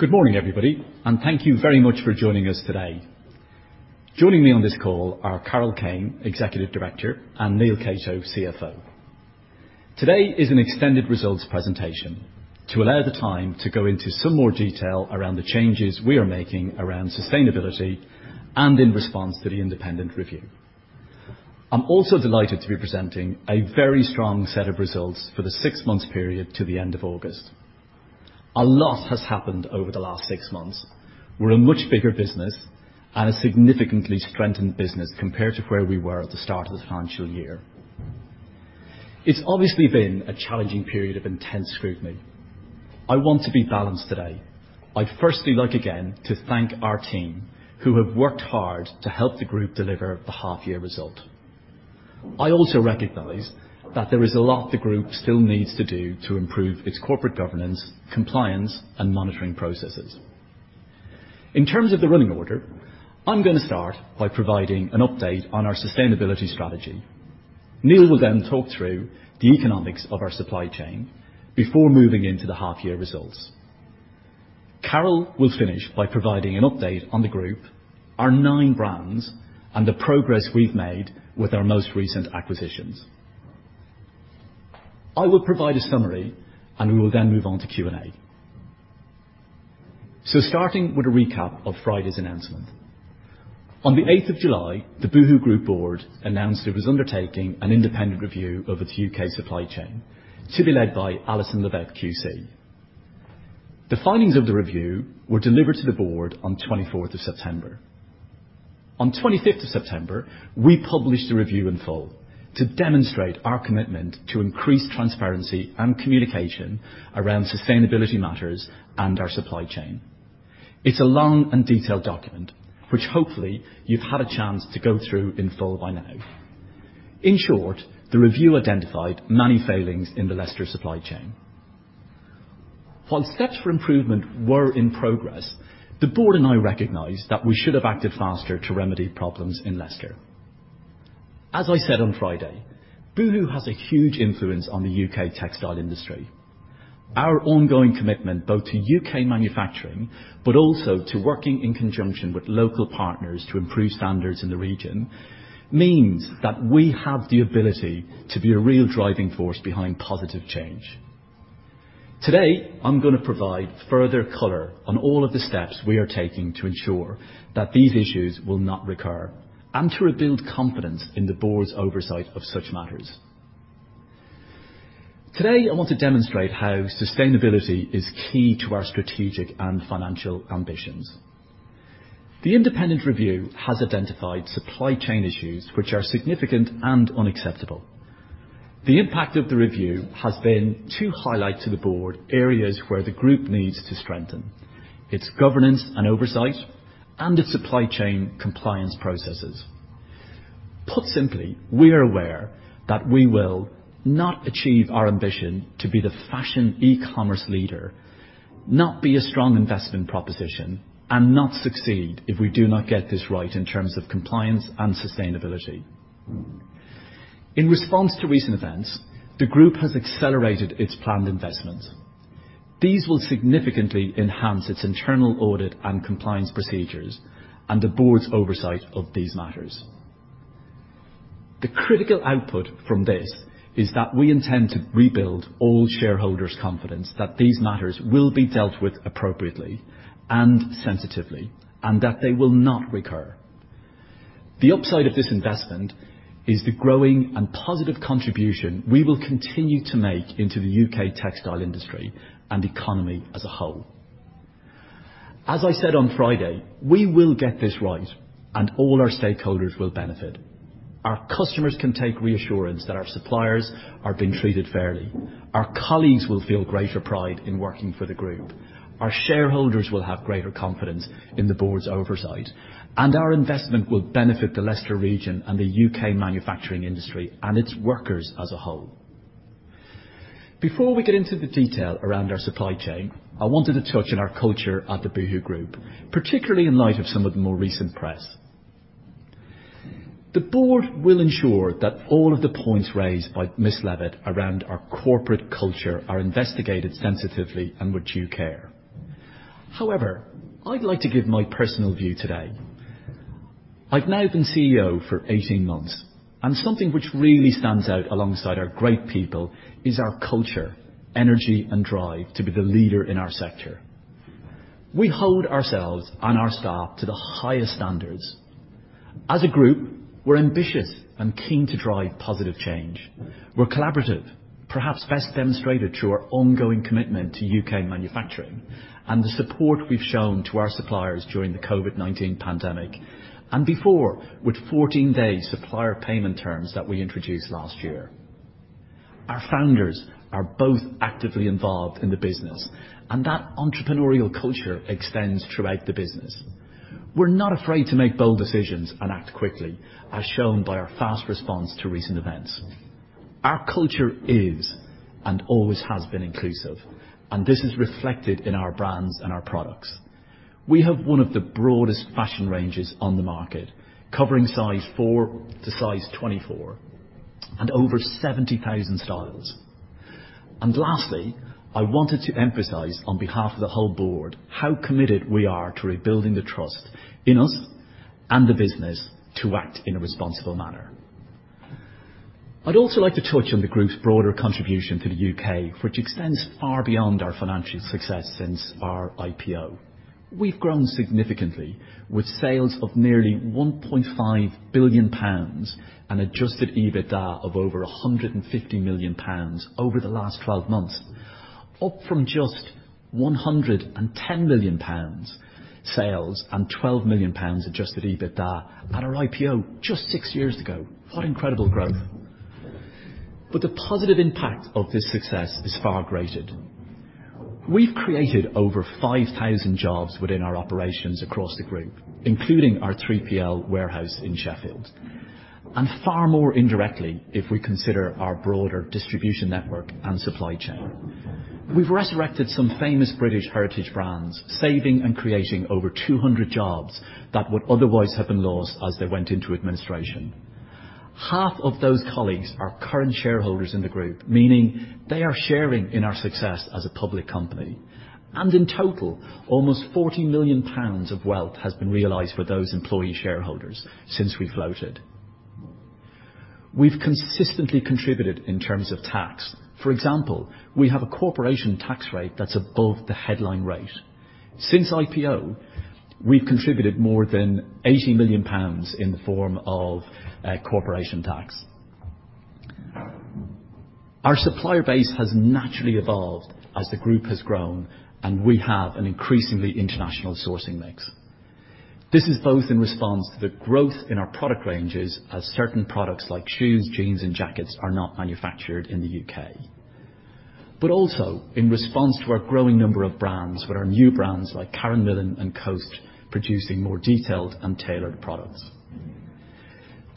Good morning, everybody, and thank you very much for joining us today. Joining me on this call are Carol Kane, Executive Director, and Neil Catto, CFO. Today is an extended results presentation to allow the time to go into some more detail around the changes we are making around sustainability and in response to the independent review. I'm also delighted to be presenting a very strong set of results for the six-month period to the end of August. A lot has happened over the last six months. We're a much bigger business and a significantly strengthened business compared to where we were at the start of the financial year. It's obviously been a challenging period of intense scrutiny. I want to be balanced today. I'd firstly like, again, to thank our team, who have worked hard to help the group deliver the half year result. I also recognize that there is a lot the group still needs to do to improve its corporate governance, compliance, and monitoring processes. In terms of the running order, I'm gonna start by providing an update on our sustainability strategy. Neil will then talk through the economics of our supply chain before moving into the half year results. Carol will finish by providing an update on the group, our nine brands, and the progress we've made with our most recent acquisitions. I will provide a summary, and we will then move on to Q&A. So starting with a recap of Friday's announcement. On the eighth of July, the Boohoo Group Board announced it was undertaking an independent review of its UK supply chain, to be led by Alison Levitt QC. The findings of the review were delivered to the board on twenty-fourth of September. On 25th of September, we published a review in full to demonstrate our commitment to increase transparency and communication around sustainability matters and our supply chain. It's a long and detailed document, which hopefully you've had a chance to go through in full by now. In short, the review identified many failings in the Leicester supply chain. While steps for improvement were in progress, the board and I recognized that we should have acted faster to remedy problems in Leicester. As I said on Friday, Boohoo has a huge influence on the UK textile industry. Our ongoing commitment, both to UK manufacturing but also to working in conjunction with local partners to improve standards in the region, means that we have the ability to be a real driving force behind positive change. Today, I'm gonna provide further color on all of the steps we are taking to ensure that these issues will not recur and to rebuild confidence in the board's oversight of such matters. Today, I want to demonstrate how sustainability is key to our strategic and financial ambitions. The independent review has identified supply chain issues which are significant and unacceptable. The impact of the review has been to highlight to the board areas where the group needs to strengthen its governance and oversight and its supply chain compliance processes. Put simply, we are aware that we will not achieve our ambition to be the fashion e-commerce leader, not be a strong investment proposition, and not succeed if we do not get this right in terms of compliance and sustainability. In response to recent events, the group has accelerated its planned investments. These will significantly enhance its internal audit and compliance procedures and the board's oversight of these matters. The critical output from this is that we intend to rebuild all shareholders' confidence that these matters will be dealt with appropriately and sensitively and that they will not recur. The upside of this investment is the growing and positive contribution we will continue to make into the UK textile industry and economy as a whole. As I said on Friday, we will get this right, and all our stakeholders will benefit. Our customers can take reassurance that our suppliers are being treated fairly, our colleagues will feel greater pride in working for the group, our shareholders will have greater confidence in the board's oversight, and our investment will benefit the Leicester region and the UK manufacturing industry and its workers as a whole. Before we get into the detail around our supply chain, I wanted to touch on our culture at the Boohoo Group, particularly in light of some of the more recent press. The board will ensure that all of the points raised by Ms. Levitt around our corporate culture are investigated sensitively and with due care. However, I'd like to give my personal view today. I've now been CEO for 18 months, and something which really stands out alongside our great people is our culture, energy, and drive to be the leader in our sector. We hold ourselves and our staff to the highest standards. As a group, we're ambitious and keen to drive positive change. We're collaborative, perhaps best demonstrated through our ongoing commitment to U.K. manufacturing and the support we've shown to our suppliers during the COVID-19 pandemic, and before with fourteen-day supplier payment terms that we introduced last year. Our founders are both actively involved in the business, and that entrepreneurial culture extends throughout the business. We're not afraid to make bold decisions and act quickly, as shown by our fast response to recent events. Our culture is and always has been inclusive, and this is reflected in our brands and our products.... We have one of the broadest fashion ranges on the market, covering size 4 to size 24 and over 70,000 styles. And lastly, I wanted to emphasize on behalf of the whole board, how committed we are to rebuilding the trust in us and the business to act in a responsible manner. I'd also like to touch on the Group's broader contribution to the U.K., which extends far beyond our financial success since our IPO. We've grown significantly with sales of nearly 1.5 billion pounds, and Adjusted EBITDA of over 150 million pounds over the last 12 months, up from just 110 million pounds sales and 12 million pounds Adjusted EBITDA at our IPO just 6 years ago. What incredible growth! But the positive impact of this success is far greater. We've created over 5,000 jobs within our operations across the Group, including our 3PL warehouse in Sheffield, and far more indirectly, if we consider our broader distribution network and supply chain. We've resurrected some famous British heritage brands, saving and creating over 200 jobs that would otherwise have been lost as they went into administration. Half of those colleagues are current shareholders in the Group, meaning they are sharing in our success as a public company, and in total, almost 40 million pounds of wealth has been realized for those employee shareholders since we floated. We've consistently contributed in terms of tax. For example, we have a corporation tax rate that's above the headline rate. Since IPO, we've contributed more than 80 million pounds in the form of corporation tax. Our supplier base has naturally evolved as the Group has grown, and we have an increasingly international sourcing mix. This is both in response to the growth in our product ranges as certain products like shoes, jeans, and jackets are not manufactured in the UK. But also in response to our growing number of brands, with our new brands like Karen Millen and Coast, producing more detailed and tailored products.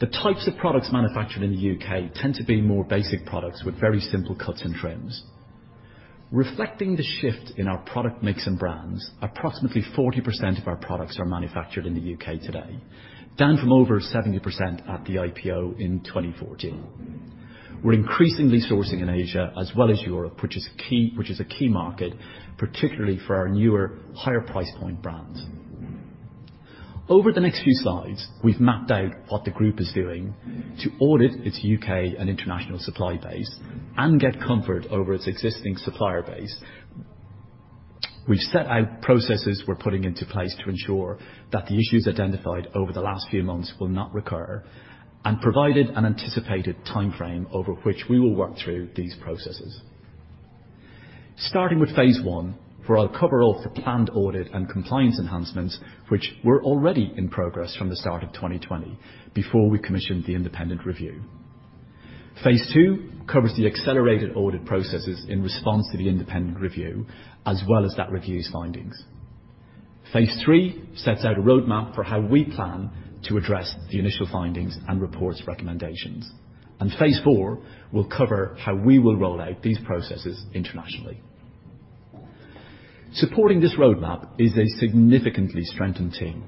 The types of products manufactured in the U.K. tend to be more basic products with very simple cuts and trims. Reflecting the shift in our product mix and brands, approximately 40% of our products are manufactured in the U.K. today, down from over 70% at the IPO in 2014. We're increasingly sourcing in Asia as well as Europe, which is key, which is a key market, particularly for our newer, higher price point brands. Over the next few slides, we've mapped out what the Group is doing to audit its U.K. and international supply base and get comfort over its existing supplier base. We've set out processes we're putting into place to ensure that the issues identified over the last few months will not recur and provided an anticipated timeframe over which we will work through these processes. Starting with Phase One, where I'll cover off the planned audit and compliance enhancements, which were already in progress from the start of 2020 before we commissioned the independent review. Phase Two covers the accelerated audit processes in response to the independent review, as well as that review's findings. Phase Three sets out a roadmap for how we plan to address the initial findings and report's recommendations. And Phase Four will cover how we will roll out these processes internationally. Supporting this roadmap is a significantly strengthened team.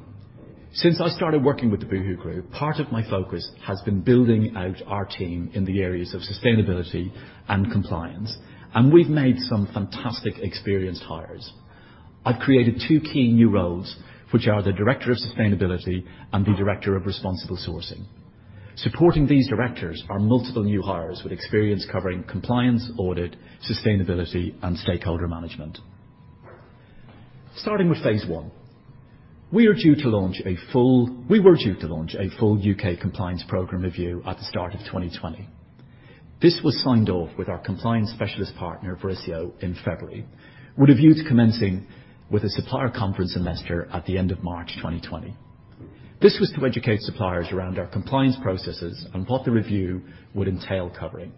Since I started working with the Boohoo Group, part of my focus has been building out our team in the areas of sustainability and compliance, and we've made some fantastic experienced hires. I've created two key new roles, which are the director of sustainability and the director of responsible sourcing. Supporting these directors are multiple new hires with experience covering compliance, audit, sustainability, and stakeholder management. Starting with phase one, we were due to launch a full UK compliance program review at the start of 2020. This was signed off with our compliance specialist partner, Verisio, in February, with a view to commencing with a supplier conference in Leicester at the end of March 2020. This was to educate suppliers around our compliance processes and what the review would entail covering.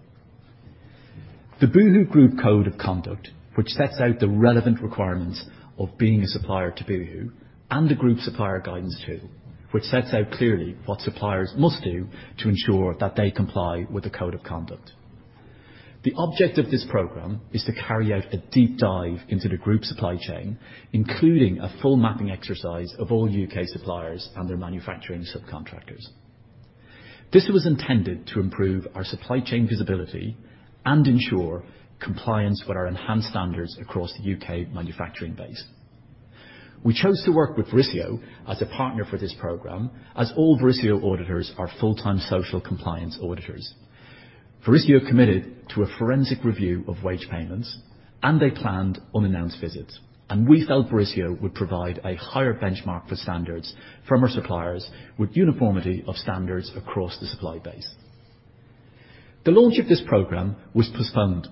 The Boohoo Group Code of Conduct, which sets out the relevant requirements of being a supplier to Boohoo, and the Group Supplier Guidance tool, which sets out clearly what suppliers must do to ensure that they comply with the code of conduct. The object of this program is to carry out a deep dive into the Group's supply chain, including a full mapping exercise of all UK suppliers and their manufacturing subcontractors. This was intended to improve our supply chain visibility and ensure compliance with our enhanced standards across the UK manufacturing base. We chose to work with Veriso as a partner for this program, as all Veriso auditors are full-time social compliance auditors. Veriso committed to a forensic review of wage payments, and they planned unannounced visits, and we felt Veriso would provide a higher benchmark for standards from our suppliers with uniformity of standards across the supply base. The launch of this program was postponed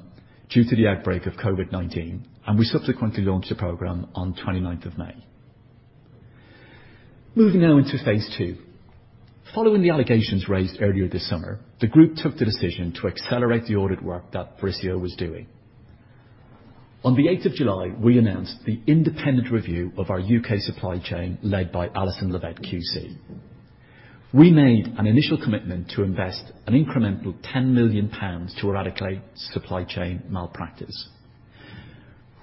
due to the outbreak of COVID-19, and we subsequently launched the program on the 29th of May. Moving now into Phase Two. Following the allegations raised earlier this summer, the Group took the decision to accelerate the audit work that Verisio was doing. On the eighth of July, we announced the independent review of our UK supply chain, led by Alison Levitt QC. We made an initial commitment to invest an incremental 10 million pounds to eradicate supply chain malpractice.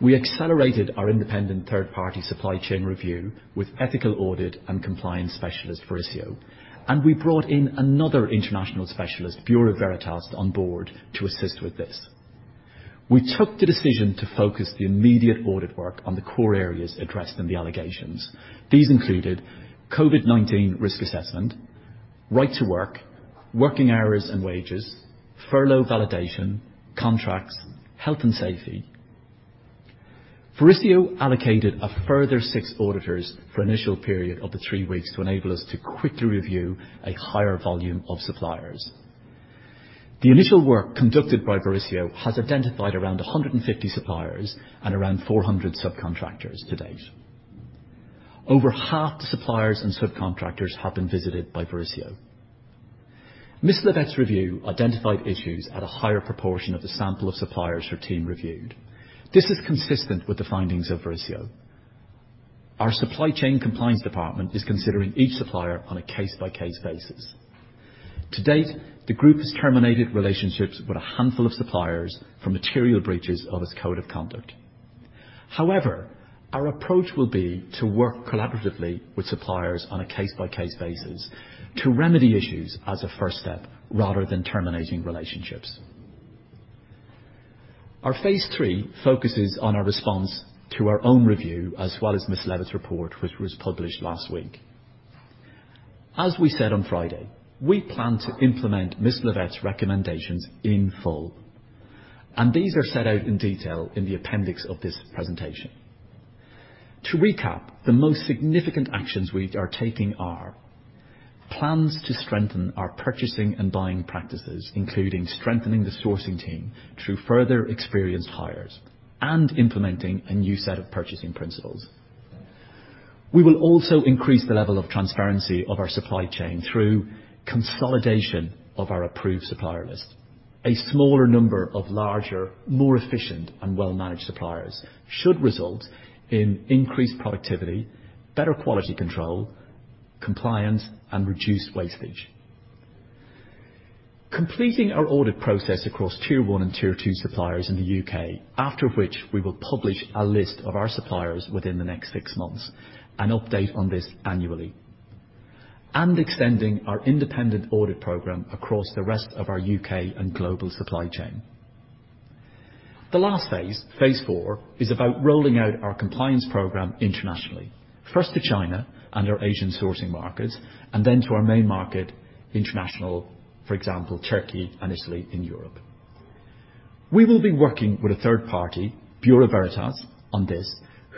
We accelerated our independent third-party supply chain review with ethical audit and compliance specialist Verisio, and we brought in another international specialist, Bureau Veritas, on board to assist with this. We took the decision to focus the immediate audit work on the core areas addressed in the allegations. These included COVID-19 risk assessment, right to work, working hours and wages, furlough validation, contracts, health and safety. Verisio allocated a further 6 auditors for initial period of the 3 weeks to enable us to quickly review a higher volume of suppliers. The initial work conducted by Verisio has identified around 150 suppliers and around 400 subcontractors to date. Over half the suppliers and subcontractors have been visited by Verisio. Miss Levitt's review identified issues at a higher proportion of the sample of suppliers her team reviewed. This is consistent with the findings of Verisio. Our supply chain compliance department is considering each supplier on a case-by-case basis. To date, the group has terminated relationships with a handful of suppliers for material breaches of its code of conduct. However, our approach will be to work collaboratively with suppliers on a case-by-case basis to remedy issues as a first step, rather than terminating relationships. Our phase three focuses on our response to our own review, as well as Miss Levitt's report, which was published last week. As we said on Friday, we plan to implement Miss Levitt's recommendations in full, and these are set out in detail in the appendix of this presentation. To recap, the most significant actions we are taking are plans to strengthen our purchasing and buying practices, including strengthening the sourcing team through further experienced hires and implementing a new set of purchasing principles. We will also increase the level of transparency of our supply chain through consolidation of our approved supplier list. A smaller number of larger, more efficient, and well-managed suppliers should result in increased productivity, better quality control, compliance, and reduced wastage. Completing our audit process across Tier One and Tier Two suppliers in the U.K., after which we will publish a list of our suppliers within the next 6 months and update on this annually, and extending our independent audit program across the rest of our U.K. and global supply chain. The last phase, phase 4, is about rolling out our compliance program internationally, first to China and our Asian sourcing markets, and then to our main market, international, for example, Turkey and Italy in Europe. We will be working with a third party, Bureau Veritas, on this,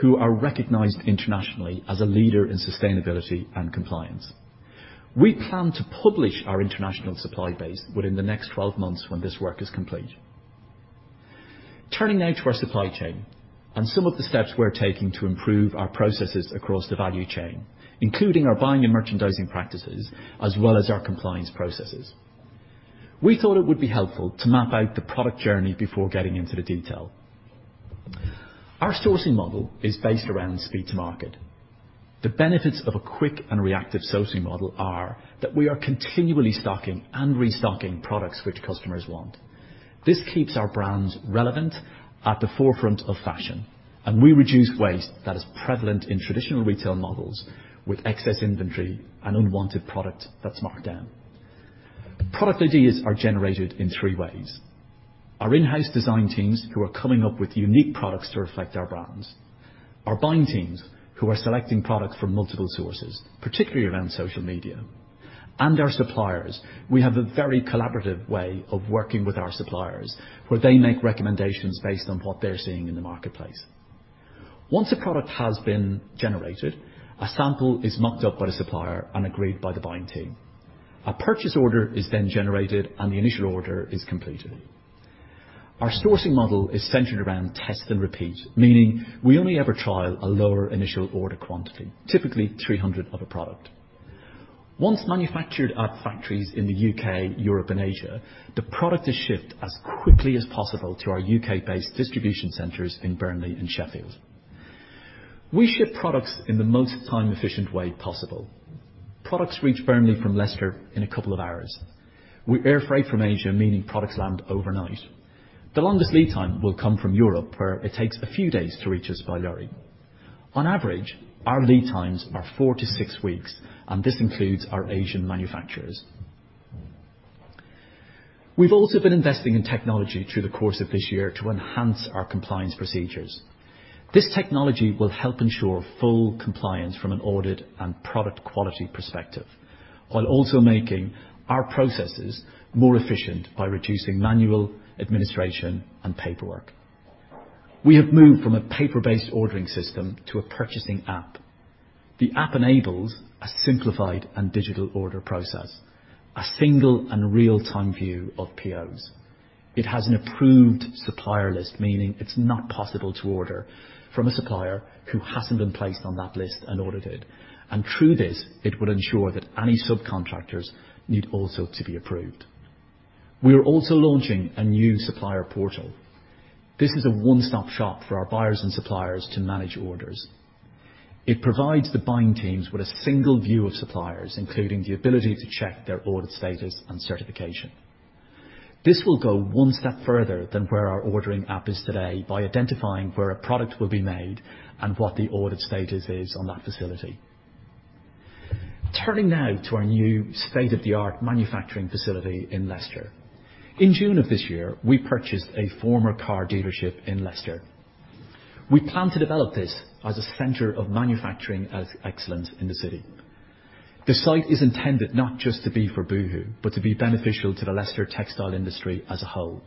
who are recognized internationally as a leader in sustainability and compliance. We plan to publish our international supply base within the next 12 months when this work is complete. Turning now to our supply chain and some of the steps we're taking to improve our processes across the value chain, including our buying and merchandising practices, as well as our compliance processes. We thought it would be helpful to map out the product journey before getting into the detail. Our sourcing model is based around speed to market. The benefits of a quick and reactive sourcing model are that we are continually stocking and restocking products which customers want. This keeps our brands relevant at the forefront of fashion, and we reduce waste that is prevalent in traditional retail models with excess inventory and unwanted product that's marked down. Product ideas are generated in three ways: our in-house design teams, who are coming up with unique products to reflect our brands, our buying teams, who are selecting products from multiple sources, particularly around social media, and our suppliers. We have a very collaborative way of working with our suppliers, where they make recommendations based on what they're seeing in the marketplace. Once a product has been generated, a sample is mocked up by the supplier and agreed by the buying team. A purchase order is then generated, and the initial order is completed. Our sourcing model is centered around test and repeat, meaning we only ever trial a lower initial order quantity, typically 300 of a product. Once manufactured at factories in the UK, Europe, and Asia, the product is shipped as quickly as possible to our UK-based distribution centers in Burnley and Sheffield. We ship products in the most time-efficient way possible. Products reach Burnley from Leicester in a couple of hours, with air freight from Asia, meaning products land overnight. The longest lead time will come from Europe, where it takes a few days to reach us by lorry. On average, our lead times are 4-6 weeks, and this includes our Asian manufacturers. We've also been investing in technology through the course of this year to enhance our compliance procedures. This technology will help ensure full compliance from an audit and product quality perspective, while also making our processes more efficient by reducing manual administration and paperwork. We have moved from a paper-based ordering system to a purchasing app. The app enables a simplified and digital order process, a single and real-time view of POs. It has an approved supplier list, meaning it's not possible to order from a supplier who hasn't been placed on that list and audited. Through this, it will ensure that any subcontractors need also to be approved. We are also launching a new supplier portal. This is a one-stop shop for our buyers and suppliers to manage orders. It provides the buying teams with a single view of suppliers, including the ability to check their order status and certification. This will go one step further than where our ordering app is today by identifying where a product will be made and what the audit status is on that facility. Turning now to our new state-of-the-art manufacturing facility in Leicester. In June of this year, we purchased a former car dealership in Leicester. We plan to develop this as a center of manufacturing excellence in the city. The site is intended not just to be for Boohoo, but to be beneficial to the Leicester textile industry as a whole.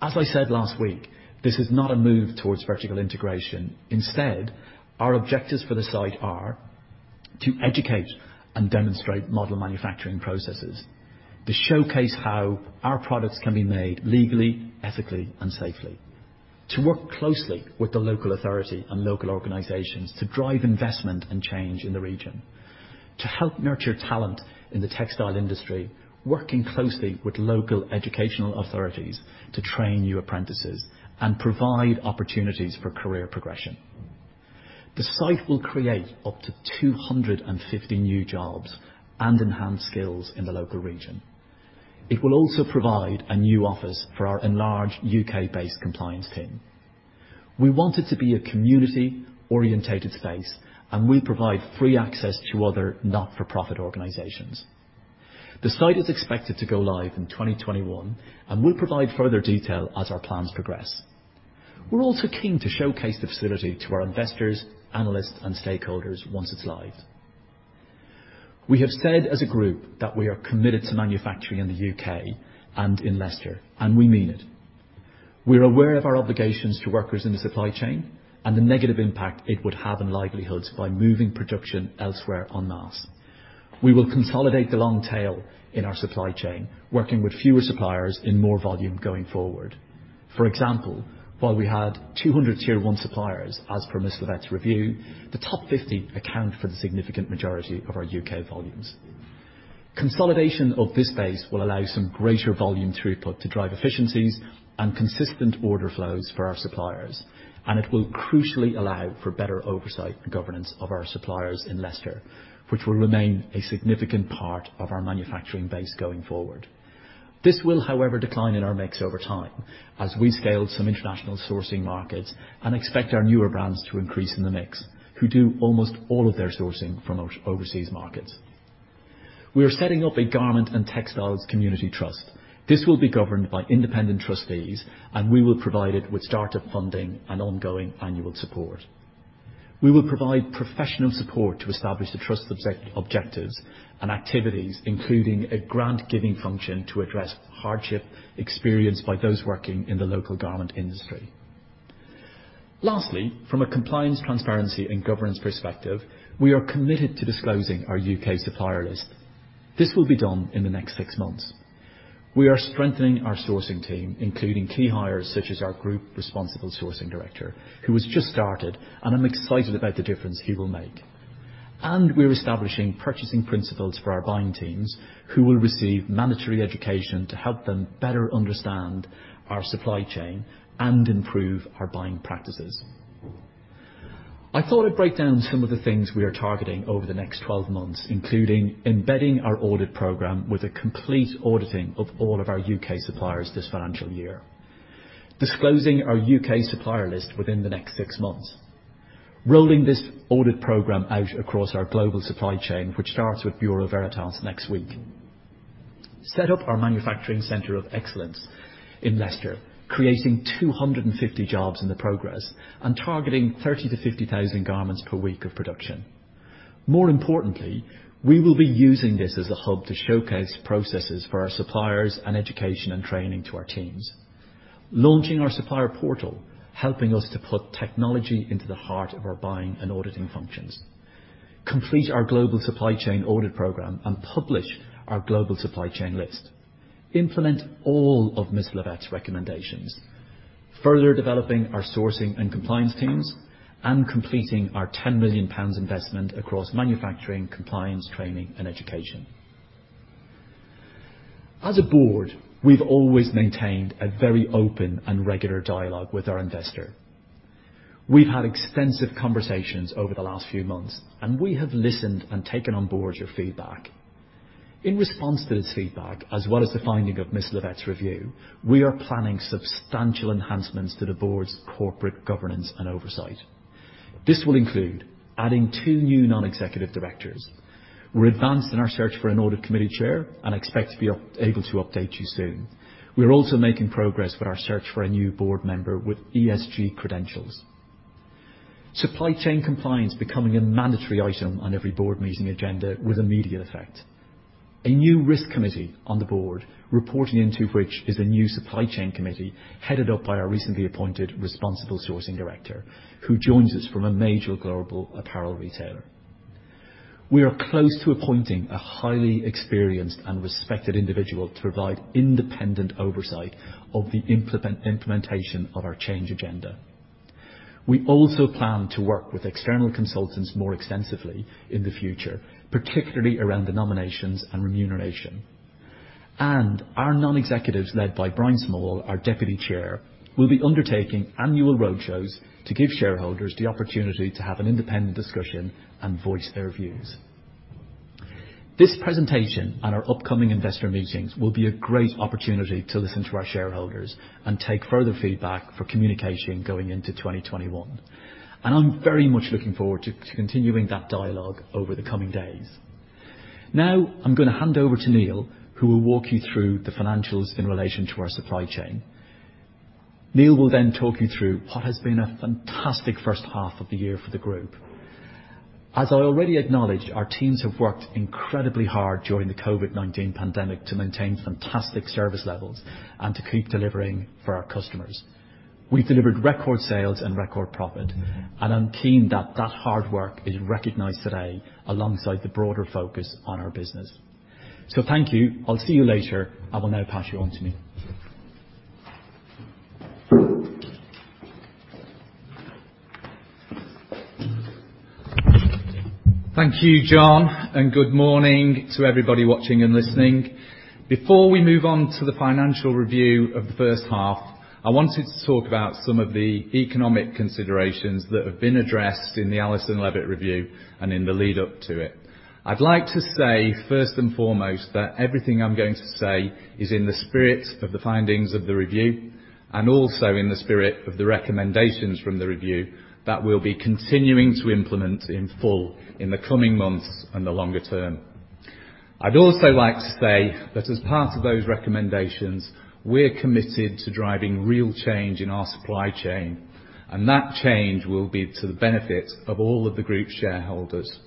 As I said last week, this is not a move towards vertical integration. Instead, our objectives for the site are to educate and demonstrate model manufacturing processes, to showcase how our products can be made legally, ethically, and safely, to work closely with the local authority and local organizations to drive investment and change in the region, to help nurture talent in the textile industry, working closely with local educational authorities to train new apprentices and provide opportunities for career progression. The site will create up to 250 new jobs and enhance skills in the local region. It will also provide a new office for our enlarged UK-based compliance team. We want it to be a community-oriented space, and we provide free access to other not-for-profit organizations. The site is expected to go live in 2021, and we'll provide further detail as our plans progress. We're also keen to showcase the facility to our investors, analysts, and stakeholders once it's live. We have said as a group that we are committed to manufacturing in the UK and in Leicester, and we mean it. We are aware of our obligations to workers in the supply chain and the negative impact it would have on livelihoods by moving production elsewhere en masse. We will consolidate the long tail in our supply chain, working with fewer suppliers in more volume going forward. For example, while we had 200 Tier One suppliers, as per Ms. Levitt's review, the top 50 account for the significant majority of our UK volumes. Consolidation of this base will allow some greater volume throughput to drive efficiencies and consistent order flows for our suppliers, and it will crucially allow for better oversight and governance of our suppliers in Leicester, which will remain a significant part of our manufacturing base going forward. This will, however, decline in our mix over time as we scale some international sourcing markets and expect our newer brands to increase in the mix, who do almost all of their sourcing from overseas markets. We are setting up a garment and textiles community trust. This will be governed by independent trustees, and we will provide it with startup funding and ongoing annual support. We will provide professional support to establish the trust's objectives and activities, including a grant-giving function to address hardship experienced by those working in the local garment industry. Lastly, from a compliance, transparency, and governance perspective, we are committed to disclosing our UK supplier list. This will be done in the next 6 months. We are strengthening our sourcing team, including key hires such as our group responsible sourcing director, who has just started, and I'm excited about the difference he will make. We're establishing purchasing principles for our buying teams, who will receive mandatory education to help them better understand our supply chain and improve our buying practices. I thought I'd break down some of the things we are targeting over the next 12 months, including embedding our audit program with a complete auditing of all of our UK suppliers this financial year, disclosing our UK supplier list within the next 6 months, rolling this audit program out across our global supply chain, which starts with Bureau Veritas next week. Set up our manufacturing center of excellence in Leicester, creating 250 jobs in the process and targeting 30,000-50,000 garments per week of production. More importantly, we will be using this as a hub to showcase processes for our suppliers and education and training to our teams. Launching our supplier portal, helping us to put technology into the heart of our buying and auditing functions, complete our global supply chain audit program and publish our global supply chain list, implement all of Miss Levitt's recommendations, further developing our sourcing and compliance teams, and completing our 10 million pounds investment across manufacturing, compliance, training, and education. As a board, we've always maintained a very open and regular dialogue with our investor. We've had extensive conversations over the last few months, and we have listened and taken on board your feedback. In response to this feedback, as well as the finding of Alison Levitt's review, we are planning substantial enhancements to the board's corporate governance and oversight. This will include adding two new non-executive directors. We're advanced in our search for an audit committee chair and expect to be able to update you soon. We are also making progress with our search for a new board member with ESG credentials. Supply chain compliance becoming a mandatory item on every board meeting agenda with immediate effect. A new risk committee on the board, reporting into which is a new supply chain committee, headed up by our recently appointed responsible sourcing director, who joins us from a major global apparel retailer. We are close to appointing a highly experienced and respected individual to provide independent oversight of the implementation of our change agenda. We also plan to work with external consultants more extensively in the future, particularly around the nominations and remuneration. Our non-executives, led by Brian Small, our Deputy Chair, will be undertaking annual roadshows to give shareholders the opportunity to have an independent discussion and voice their views. This presentation and our upcoming investor meetings will be a great opportunity to listen to our shareholders and take further feedback for communication going into 2021, and I'm very much looking forward to continuing that dialogue over the coming days. Now, I'm gonna hand over to Neil, who will walk you through the financials in relation to our supply chain. Neil will then talk you through what has been a fantastic first half of the year for the group. As I already acknowledged, our teams have worked incredibly hard during the COVID-19 pandemic to maintain fantastic service levels and to keep delivering for our customers. We've delivered record sales and record profit, and I'm keen that that hard work is recognized today alongside the broader focus on our business. So thank you. I'll see you later. I will now pass you on to Neil. Thank you, John, and good morning to everybody watching and listening. Before we move on to the financial review of the first half, I wanted to talk about some of the economic considerations that have been addressed in the Alison Levitt Review and in the lead up to it. I'd like to say, first and foremost, that everything I'm going to say is in the spirit of the findings of the review and also in the spirit of the recommendations from the review that we'll be continuing to implement in full in the coming months and the longer term. I'd also like to say that as part of those recommendations, we're committed to driving real change in our supply chain, and that change will be to the benefit of all of the group shareholders,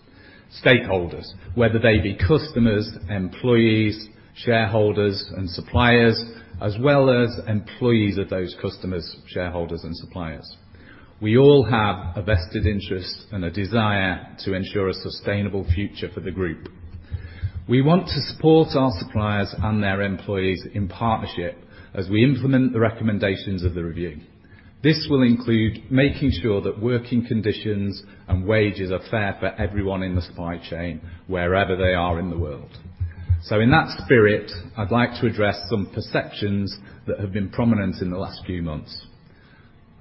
stakeholders, whether they be customers, employees, shareholders, and suppliers, as well as employees of those customers, shareholders, and suppliers. We all have a vested interest and a desire to ensure a sustainable future for the group. We want to support our suppliers and their employees in partnership as we implement the recommendations of the review. This will include making sure that working conditions and wages are fair for everyone in the supply chain, wherever they are in the world. So in that spirit, I'd like to address some perceptions that have been prominent in the last few months.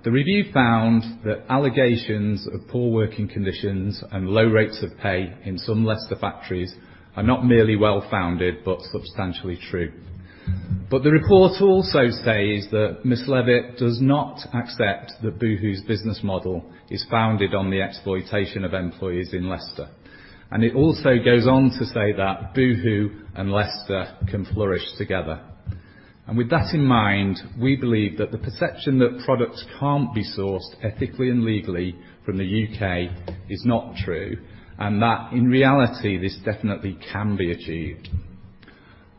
The review found that allegations of poor working conditions and low rates of pay in some Leicester factories are not merely well-founded, but substantially true. But the report also says that Ms. Levitt does not accept that Boohoo's business model is founded on the exploitation of employees in Leicester. And it also goes on to say that Boohoo and Leicester can flourish together. And with that in mind, we believe that the perception that products can't be sourced ethically and legally from the UK is not true, and that in reality, this definitely can be achieved.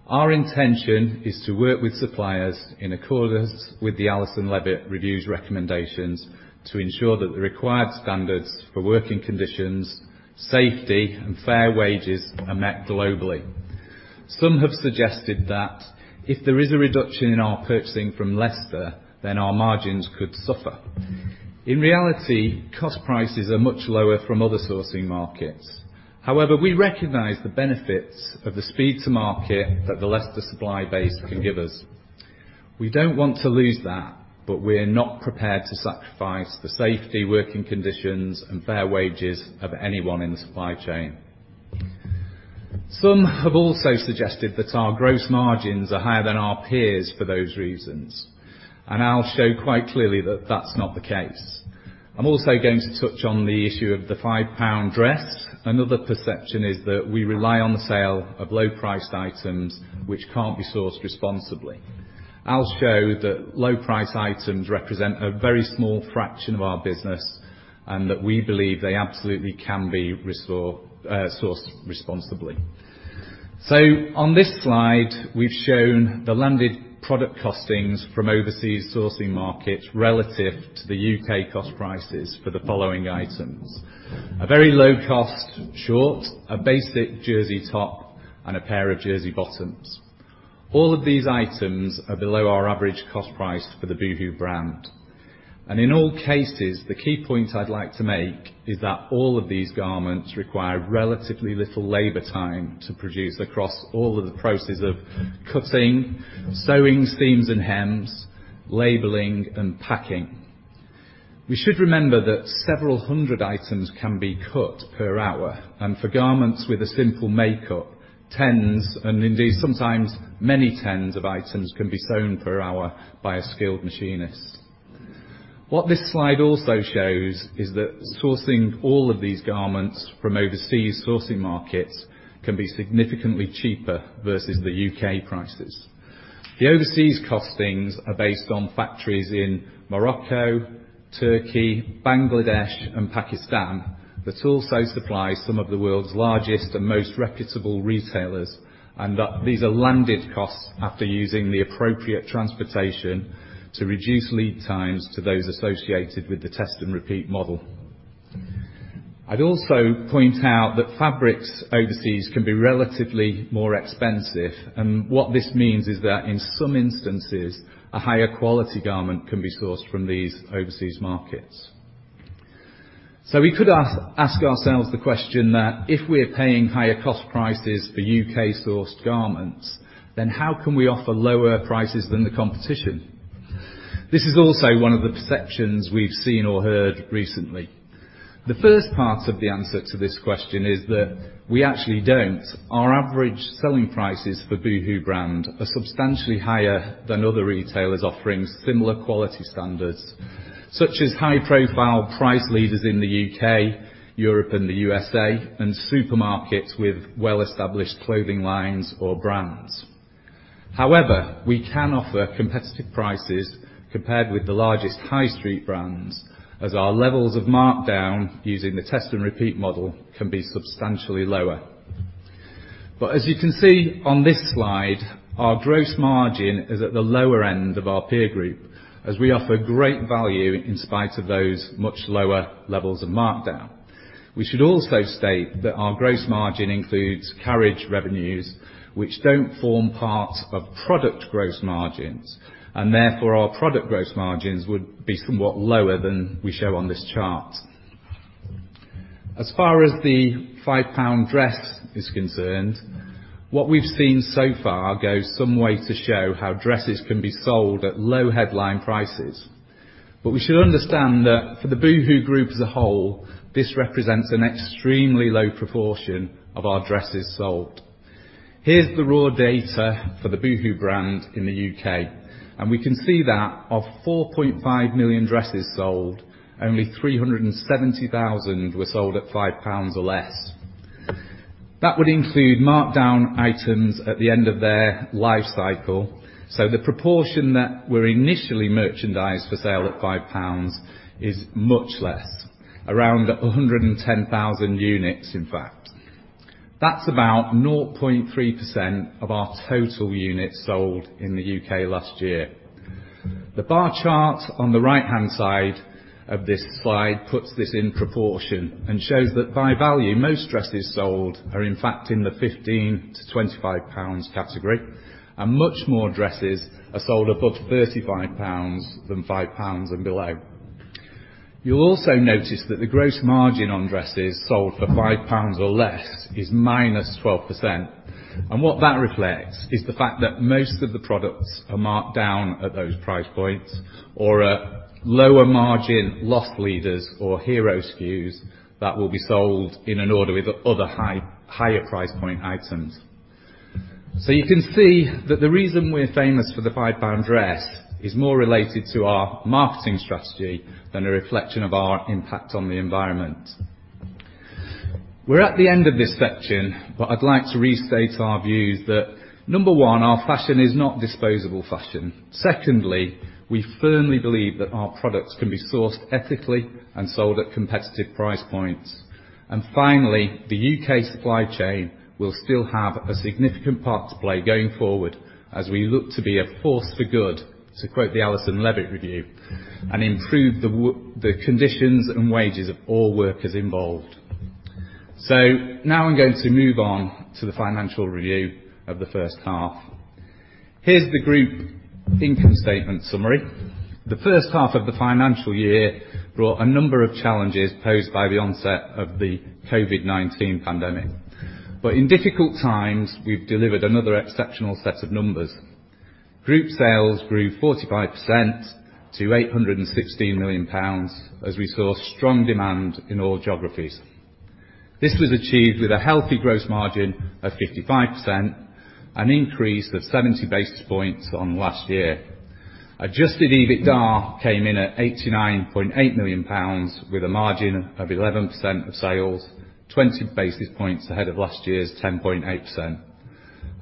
Our intention is to work with suppliers in accordance with the Alison Levitt Review's recommendations to ensure that the required standards for working conditions, safety, and fair wages are met globally. Some have suggested that if there is a reduction in our purchasing from Leicester, then our margins could suffer. In reality, cost prices are much lower from other sourcing markets. However, we recognize the benefits of the speed to market that the Leicester supply base can give us. We don't want to lose that, but we're not prepared to sacrifice the safety, working conditions, and fair wages of anyone in the supply chain. Some have also suggested that our gross margins are higher than our peers for those reasons, and I'll show quite clearly that that's not the case. I'm also going to touch on the issue of the 5 pound dress. Another perception is that we rely on the sale of low-priced items which can't be sourced responsibly. I'll show that low-price items represent a very small fraction of our business, and that we believe they absolutely can be sourced responsibly. So on this slide, we've shown the landed product costings from overseas sourcing markets relative to the UK cost prices for the following items: a very low-cost short, a basic jersey top, and a pair of jersey bottoms. All of these items are below our average cost price for the Boohoo brand. And in all cases, the key point I'd like to make is that all of these garments require relatively little labor time to produce across all of the processes of cutting, sewing seams and hems, labeling, and packing. We should remember that several hundred items can be cut per hour, and for garments with a simple makeup, tens, and indeed, sometimes many tens of items can be sewn per hour by a skilled machinist. What this slide also shows is that sourcing all of these garments from overseas sourcing markets can be significantly cheaper versus the UK prices. The overseas costings are based on factories in Morocco, Turkey, Bangladesh, and Pakistan, that also supply some of the world's largest and most reputable retailers, and that these are landed costs after using the appropriate transportation to reduce lead times to those associated with the test and repeat model. I'd also point out that fabrics overseas can be relatively more expensive, and what this means is that in some instances, a higher quality garment can be sourced from these overseas markets. So we could ask ourselves the question that if we're paying higher cost prices for UK-sourced garments, then how can we offer lower prices than the competition? This is also one of the perceptions we've seen or heard recently. The first part of the answer to this question is that we actually don't. Our average selling prices for Boohoo brand are substantially higher than other retailers offering similar quality standards, such as high-profile price leaders in the UK, Europe, and the USA, and supermarkets with well-established clothing lines or brands. However, we can offer competitive prices compared with the largest high street brands, as our levels of markdown using the test and repeat model can be substantially lower. But as you can see on this slide, our gross margin is at the lower end of our peer group, as we offer great value in spite of those much lower levels of markdown. We should also state that our gross margin includes carriage revenues, which don't form part of product gross margins, and therefore, our product gross margins would be somewhat lower than we show on this chart. As far as the £5 dress is concerned, what we've seen so far goes some way to show how dresses can be sold at low headline prices. But we should understand that for the Boohoo Group as a whole, this represents an extremely low proportion of our dresses sold. Here's the raw data for the Boohoo brand in the UK, and we can see that of 4.5 million dresses sold, only 370,000 were sold at £5 or less. That would include markdown items at the end of their life cycle, so the proportion that were initially merchandised for sale at £5 is much less, around 110,000 units, in fact. That's about 0.3% of our total units sold in the UK last year. The bar chart on the right-hand side of this slide puts this in proportion and shows that by value, most dresses sold are in fact in the 15-25 pounds category, and much more dresses are sold above 35 pounds than 5 pounds and below. You'll also notice that the gross margin on dresses sold for 5 pounds or less is -12%, and what that reflects is the fact that most of the products are marked down at those price points or are lower margin loss leaders or hero SKUs that will be sold in an order with other higher price point items. So you can see that the reason we're famous for the 5 pound dress is more related to our marketing strategy than a reflection of our impact on the environment. We're at the end of this section, but I'd like to restate our views that, number one, our fashion is not disposable fashion. Secondly, we firmly believe that our products can be sourced ethically and sold at competitive price points. And finally, the UK supply chain will still have a significant part to play going forward as we look to be a force for good, to quote the Alison Levitt review, and improve the conditions and wages of all workers involved. So now I'm going to move on to the financial review of the first half. Here's the group income statement summary. The first half of the financial year brought a number of challenges posed by the onset of the COVID-19 pandemic. But in difficult times, we've delivered another exceptional set of numbers. Group sales grew 45% to 816 million pounds, as we saw strong demand in all geographies. This was achieved with a healthy gross margin of 55%, an increase of 70 basis points on last year. Adjusted EBITDA came in at 89.8 million pounds, with a margin of 11% of sales, 20 basis points ahead of last year's 10.8%.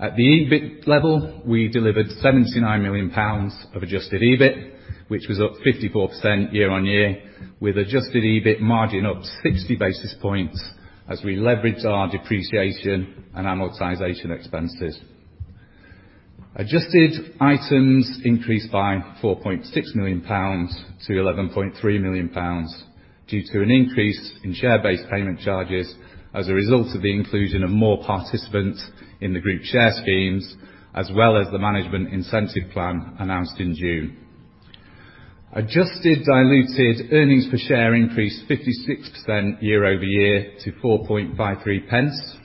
At the EBIT level, we delivered 79 million pounds of adjusted EBIT, which was up 54% year on year, with adjusted EBIT margin up 60 basis points as we leveraged our depreciation and amortization expenses. Adjusted items increased by 4.6 million pounds to 11.3 million pounds, due to an increase in share-based payment charges as a result of the inclusion of more participants in the group share schemes, as well as the management incentive plan announced in June. Adjusted diluted earnings per share increased 56% year-over-year to 4.53 pence.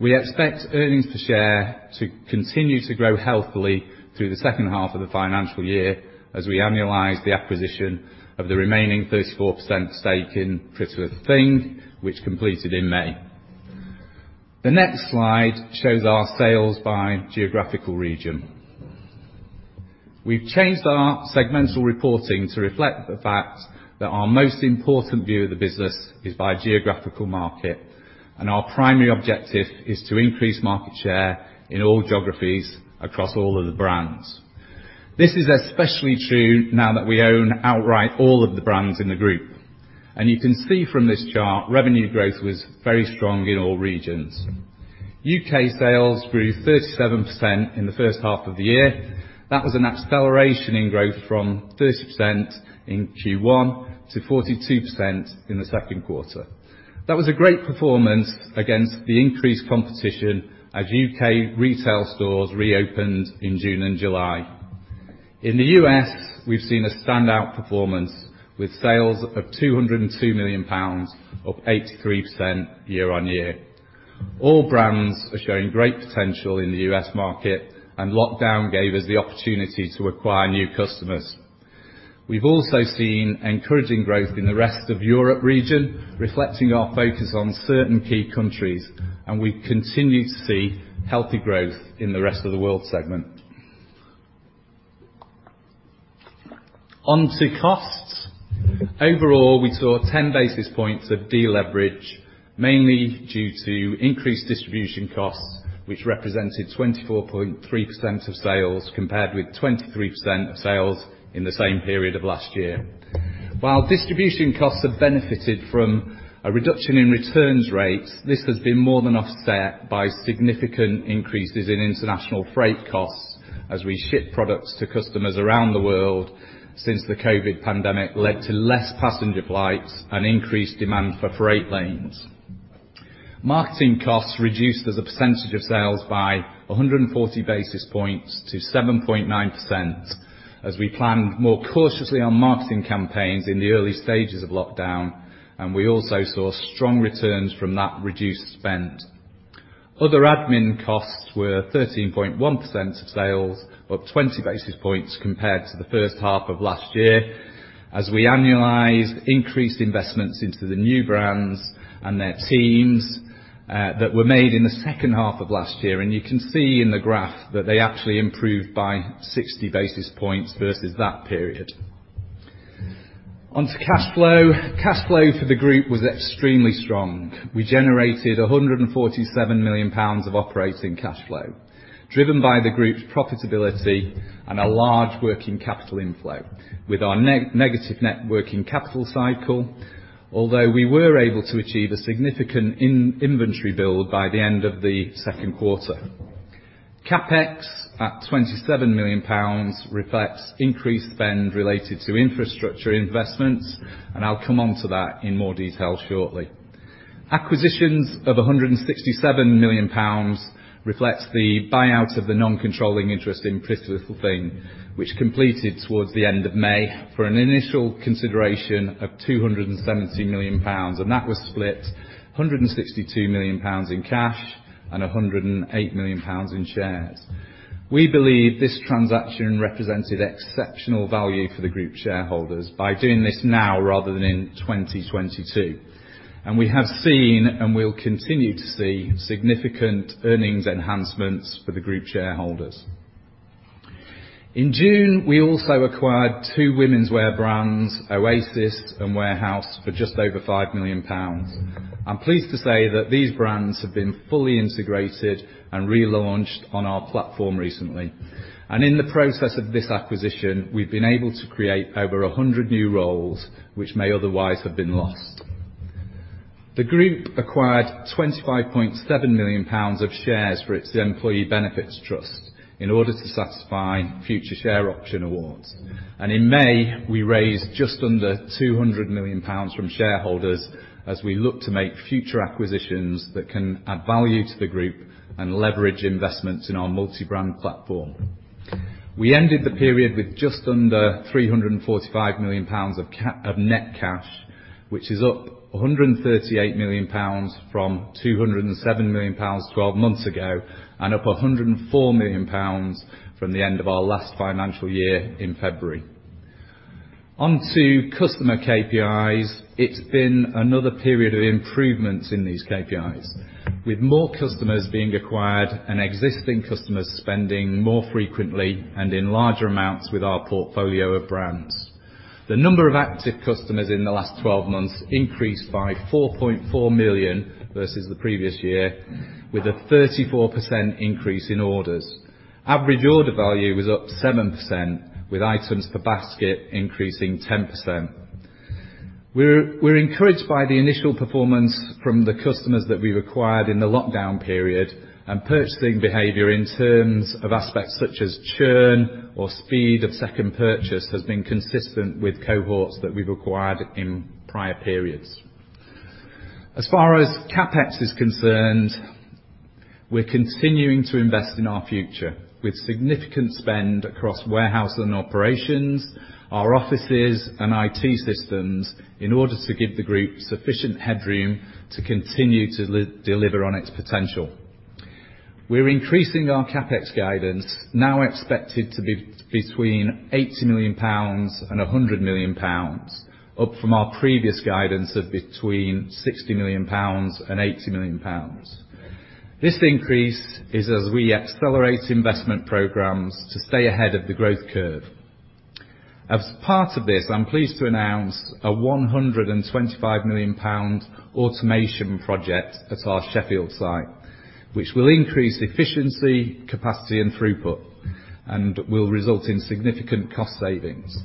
We expect earnings per share to continue to grow healthily through the second half of the financial year as we annualize the acquisition of the remaining 34% stake in PrettyLittleThing, which completed in May. The next slide shows our sales by geographical region. We've changed our segmental reporting to reflect the fact that our most important view of the business is by geographical market, and our primary objective is to increase market share in all geographies across all of the brands. This is especially true now that we own outright all of the brands in the group. You can see from this chart, revenue growth was very strong in all regions. UK sales grew 37% in the first half of the year. That was an acceleration in growth from 30% in Q1 to 42% in the second quarter. That was a great performance against the increased competition as UK retail stores reopened in June and July. In the US, we've seen a standout performance, with sales of GBP 202 million, up 83% year-on-year. All brands are showing great potential in the US market, and lockdown gave us the opportunity to acquire new customers. We've also seen encouraging growth in the rest of Europe region, reflecting our focus on certain key countries, and we continue to see healthy growth in the rest of the world segment. On to costs. Overall, we saw 10 basis points of deleverage, mainly due to increased distribution costs, which represented 24.3% of sales compared with 23% of sales in the same period of last year. While distribution costs have benefited from a reduction in returns rates, this has been more than offset by significant increases in international freight costs as we ship products to customers around the world since the COVID pandemic led to less passenger flights and increased demand for freight lanes. Marketing costs reduced as a percentage of sales by 140 basis points to 7.9%, as we planned more cautiously on marketing campaigns in the early stages of lockdown, and we also saw strong returns from that reduced spend. Other admin costs were 13.1% of sales, up 20 basis points compared to the first half of last year. As we annualize increased investments into the new brands and their teams that were made in the second half of last year, and you can see in the graph that they actually improved by 60 basis points versus that period. On to cash flow. Cash flow for the group was extremely strong. We generated 147 million pounds of operating cash flow, driven by the group's profitability and a large working capital inflow. With our negative net working capital cycle, although we were able to achieve a significant inventory build by the end of the second quarter. CapEx, at 27 million pounds, reflects increased spend related to infrastructure investments, and I'll come on to that in more detail shortly. Acquisitions of 167 million pounds reflects the buyout of the non-controlling interest in PrettyLittleThing, which completed towards the end of May for an initial consideration of 270 million pounds, and that was split 162 million pounds in cash and 108 million pounds in shares. We believe this transaction represented exceptional value for the group shareholders by doing this now rather than in 2022, and we have seen, and will continue to see, significant earnings enhancements for the group shareholders. In June, we also acquired two womenswear brands, Oasis and Warehouse, for just over 5 million pounds. I'm pleased to say that these brands have been fully integrated and relaunched on our platform recently, and in the process of this acquisition, we've been able to create over 100 new roles which may otherwise have been lost. The group acquired 25.7 million pounds of shares for its employee benefits trust in order to satisfy future share option awards. In May, we raised just under 200 million pounds from shareholders as we look to make future acquisitions that can add value to the group and leverage investments in our multi-brand platform. We ended the period with just under 345 million pounds of net cash, which is up 138 million pounds from 207 million pounds twelve months ago, and up 104 million pounds from the end of our last financial year in February. On to customer KPIs. It's been another period of improvements in these KPIs, with more customers being acquired and existing customers spending more frequently and in larger amounts with our portfolio of brands. The number of active customers in the last twelve months increased by 4.4 million versus the previous year, with a 34% increase in orders. Average order value was up 7%, with items per basket increasing 10%. We're encouraged by the initial performance from the customers that we acquired in the lockdown period, and purchasing behavior in terms of aspects such as churn or speed of second purchase has been consistent with cohorts that we've acquired in prior periods. As far as CapEx is concerned, we're continuing to invest in our future with significant spend across warehouse and operations, our offices and IT systems, in order to give the group sufficient headroom to continue to deliver on its potential. We're increasing our CapEx guidance, now expected to be between 80 million pounds and 100 million pounds, up from our previous guidance of between 60 million pounds and 80 million pounds. This increase is as we accelerate investment programs to stay ahead of the growth curve. As part of this, I'm pleased to announce a 125 million pound automation project at our Sheffield site, which will increase efficiency, capacity and throughput, and will result in significant cost savings.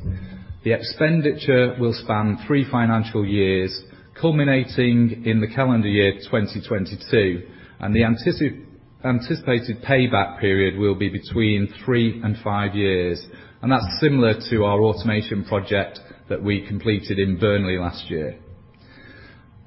The expenditure will span 3 financial years, culminating in the calendar year 2022, and the anticipated payback period will be between 3 and 5 years, and that's similar to our automation project that we completed in Burnley last year.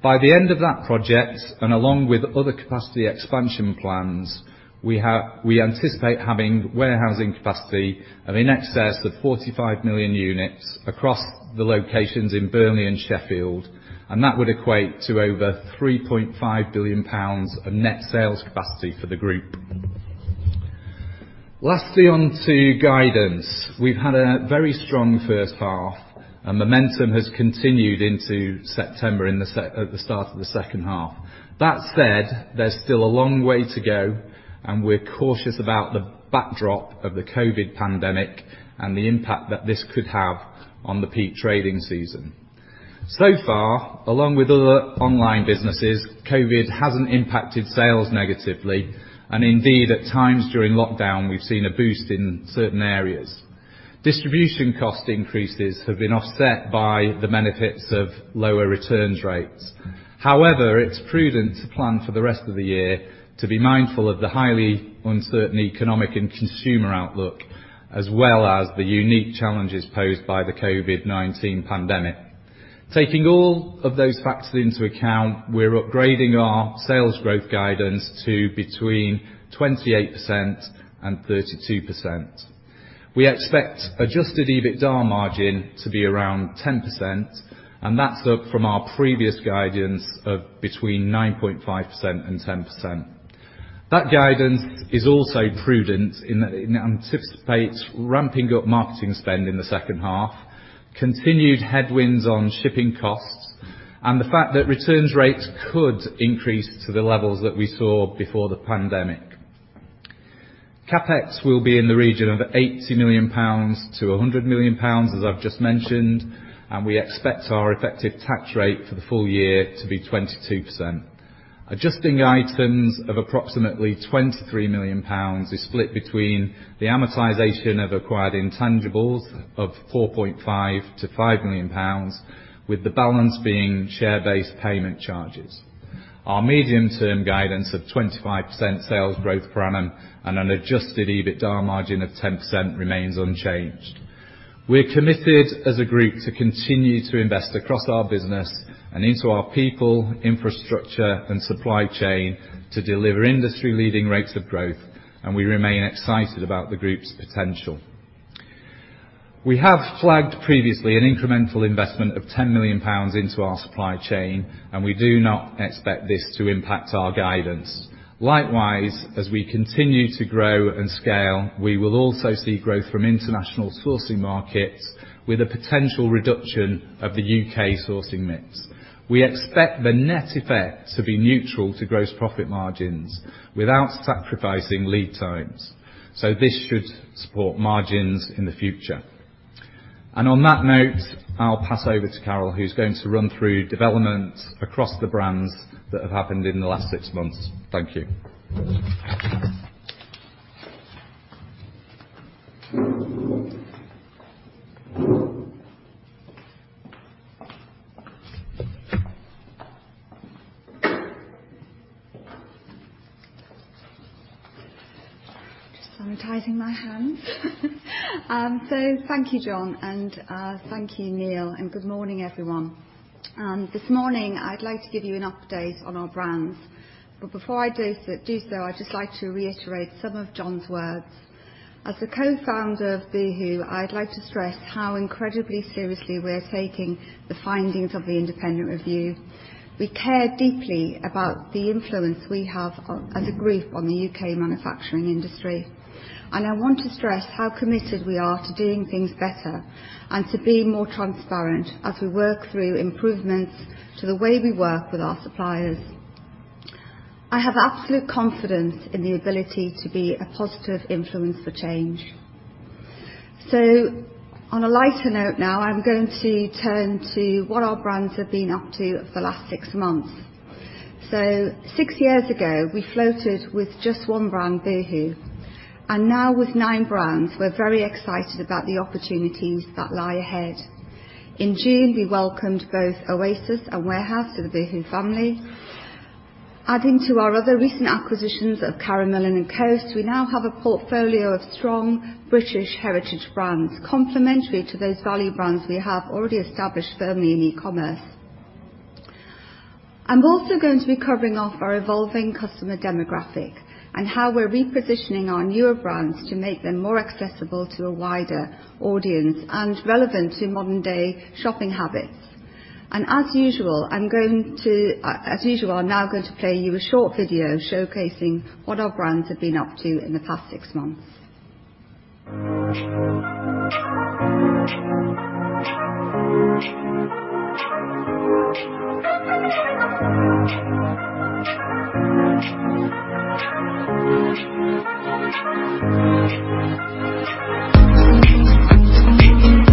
By the end of that project, and along with other capacity expansion plans, we anticipate having warehousing capacity of in excess of 45 million units across the locations in Burnley and Sheffield, and that would equate to over 3.5 billion pounds of net sales capacity for the group. Lastly, on to guidance. We've had a very strong first half, and momentum has continued into September, at the start of the second half. That said, there's still a long way to go, and we're cautious about the backdrop of the COVID-19 pandemic and the impact that this could have on the peak trading season. So far, along with other online businesses, COVID-19 hasn't impacted sales negatively, and indeed, at times during lockdown, we've seen a boost in certain areas. Distribution cost increases have been offset by the benefits of lower returns rates. However, it's prudent to plan for the rest of the year to be mindful of the highly uncertain economic and consumer outlook, as well as the unique challenges posed by the COVID-19 pandemic. Taking all of those factors into account, we're upgrading our sales growth guidance to between 28% and 32%. We expect adjusted EBITDA margin to be around 10%, and that's up from our previous guidance of between 9.5% and 10%. That guidance is also prudent in that it anticipates ramping up marketing spend in the second half, continued headwinds on shipping costs, and the fact that returns rates could increase to the levels that we saw before the pandemic. CapEx will be in the region of 80 million pounds to 100 million pounds, as I've just mentioned, and we expect our effective tax rate for the full year to be 22%. Adjusting items of approximately 23 million pounds is split between the amortization of acquired intangibles of 4.5 million to 5 million pounds, with the balance being share-based payment charges. Our medium-term guidance of 25% sales growth per annum and an adjusted EBITDA margin of 10% remains unchanged. We're committed as a group to continue to invest across our business and into our people, infrastructure, and supply chain to deliver industry-leading rates of growth, and we remain excited about the group's potential. We have flagged previously an incremental investment of 10 million pounds into our supply chain, and we do not expect this to impact our guidance. Likewise, as we continue to grow and scale, we will also see growth from international sourcing markets with a potential reduction of the UK sourcing mix. We expect the net effect to be neutral to gross profit margins without sacrificing lead times, so this should support margins in the future. On that note, I'll pass over to Carol, who's going to run through developments across the brands that have happened in the last six months. Thank you. Sanitizing my hands. So thank you, John, and thank you, Neil, and good morning, everyone. This morning, I'd like to give you an update on our brands, but before I do so, I'd just like to reiterate some of John's words. As the co-founder of Boohoo, I'd like to stress how incredibly seriously we're taking the findings of the independent review. We care deeply about the influence we have on, as a group, on the UK manufacturing industry, and I want to stress how committed we are to doing things better and to be more transparent as we work through improvements to the way we work with our suppliers. I have absolute confidence in the ability to be a positive influence for change. On a lighter note now, I'm going to turn to what our brands have been up to for the last six months. Six years ago, we floated with just one brand, Boohoo, and now with nine brands, we're very excited about the opportunities that lie ahead. In June, we welcomed both Oasis and Warehouse to the Boohoo family. Adding to our other recent acquisitions of Karen Millen and Coast, we now have a portfolio of strong British heritage brands, complementary to those value brands we have already established firmly in e-commerce. I'm also going to be covering off our evolving customer demographic and how we're repositioning our newer brands to make them more accessible to a wider audience and relevant to modern-day shopping habits. As usual, I'm now going to play you a short video showcasing what our brands have been up to in the past six months. So as you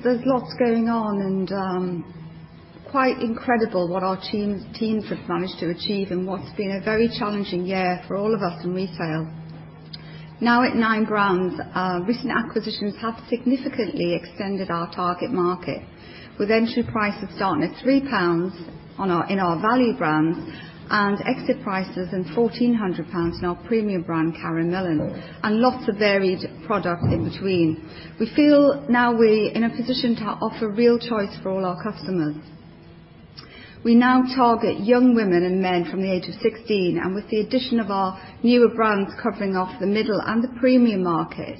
can see, there's lots going on, and, quite incredible what our teams have managed to achieve in what's been a very challenging year for all of us in retail. Now, at 9 brands, our recent acquisitions have significantly extended our target market, with entry prices starting at 3 pounds on our, in our value brands, and exit prices at 1,400 pounds in our premium brand, Karen Millen, and lots of varied product in between. We feel now we're in a position to offer real choice for all our customers. We now target young women and men from the age of 16, and with the addition of our newer brands covering off the middle and the premium market,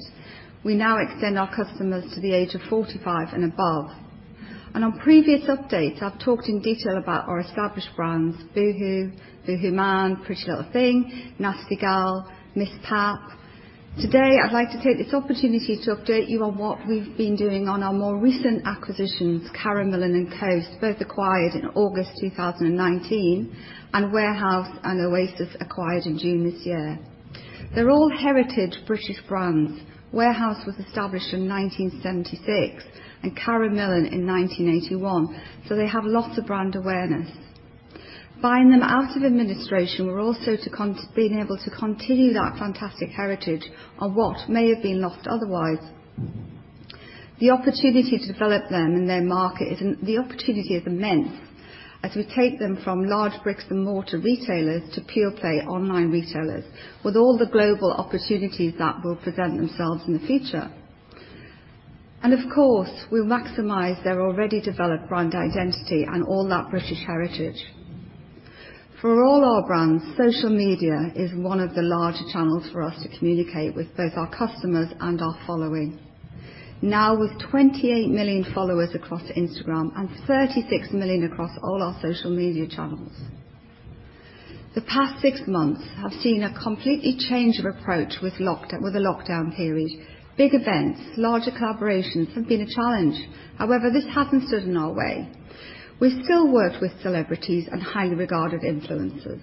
we now extend our customers to the age of 45 and above. On previous updates, I've talked in detail about our established brands, Boohoo, boohooMAN, PrettyLittleThing, Nasty Gal, MissPap. Today, I'd like to take this opportunity to update you on what we've been doing on our more recent acquisitions, Karen Millen and Coast, both acquired in August 2019, and Warehouse and Oasis, acquired in June this year. They're all heritage British brands. Warehouse was established in 1976 and Karen Millen in 1981, so they have lots of brand awareness. Buying them out of administration, we've also been able to continue that fantastic heritage of what may have been lost otherwise. The opportunity to develop them and their market is... The opportunity is immense as we take them from large bricks-and-mortar retailers to pure-play online retailers, with all the global opportunities that will present themselves in the future. Of course, we'll maximize their already developed brand identity and all that British heritage. For all our brands, social media is one of the larger channels for us to communicate with both our customers and our following. Now, with 28 million followers across Instagram and 36 million across all our social media channels, the past six months have seen a complete change of approach with the lockdown period. Big events, larger collaborations have been a challenge. However, this hasn't stood in our way. We've still worked with celebrities and highly regarded influencers,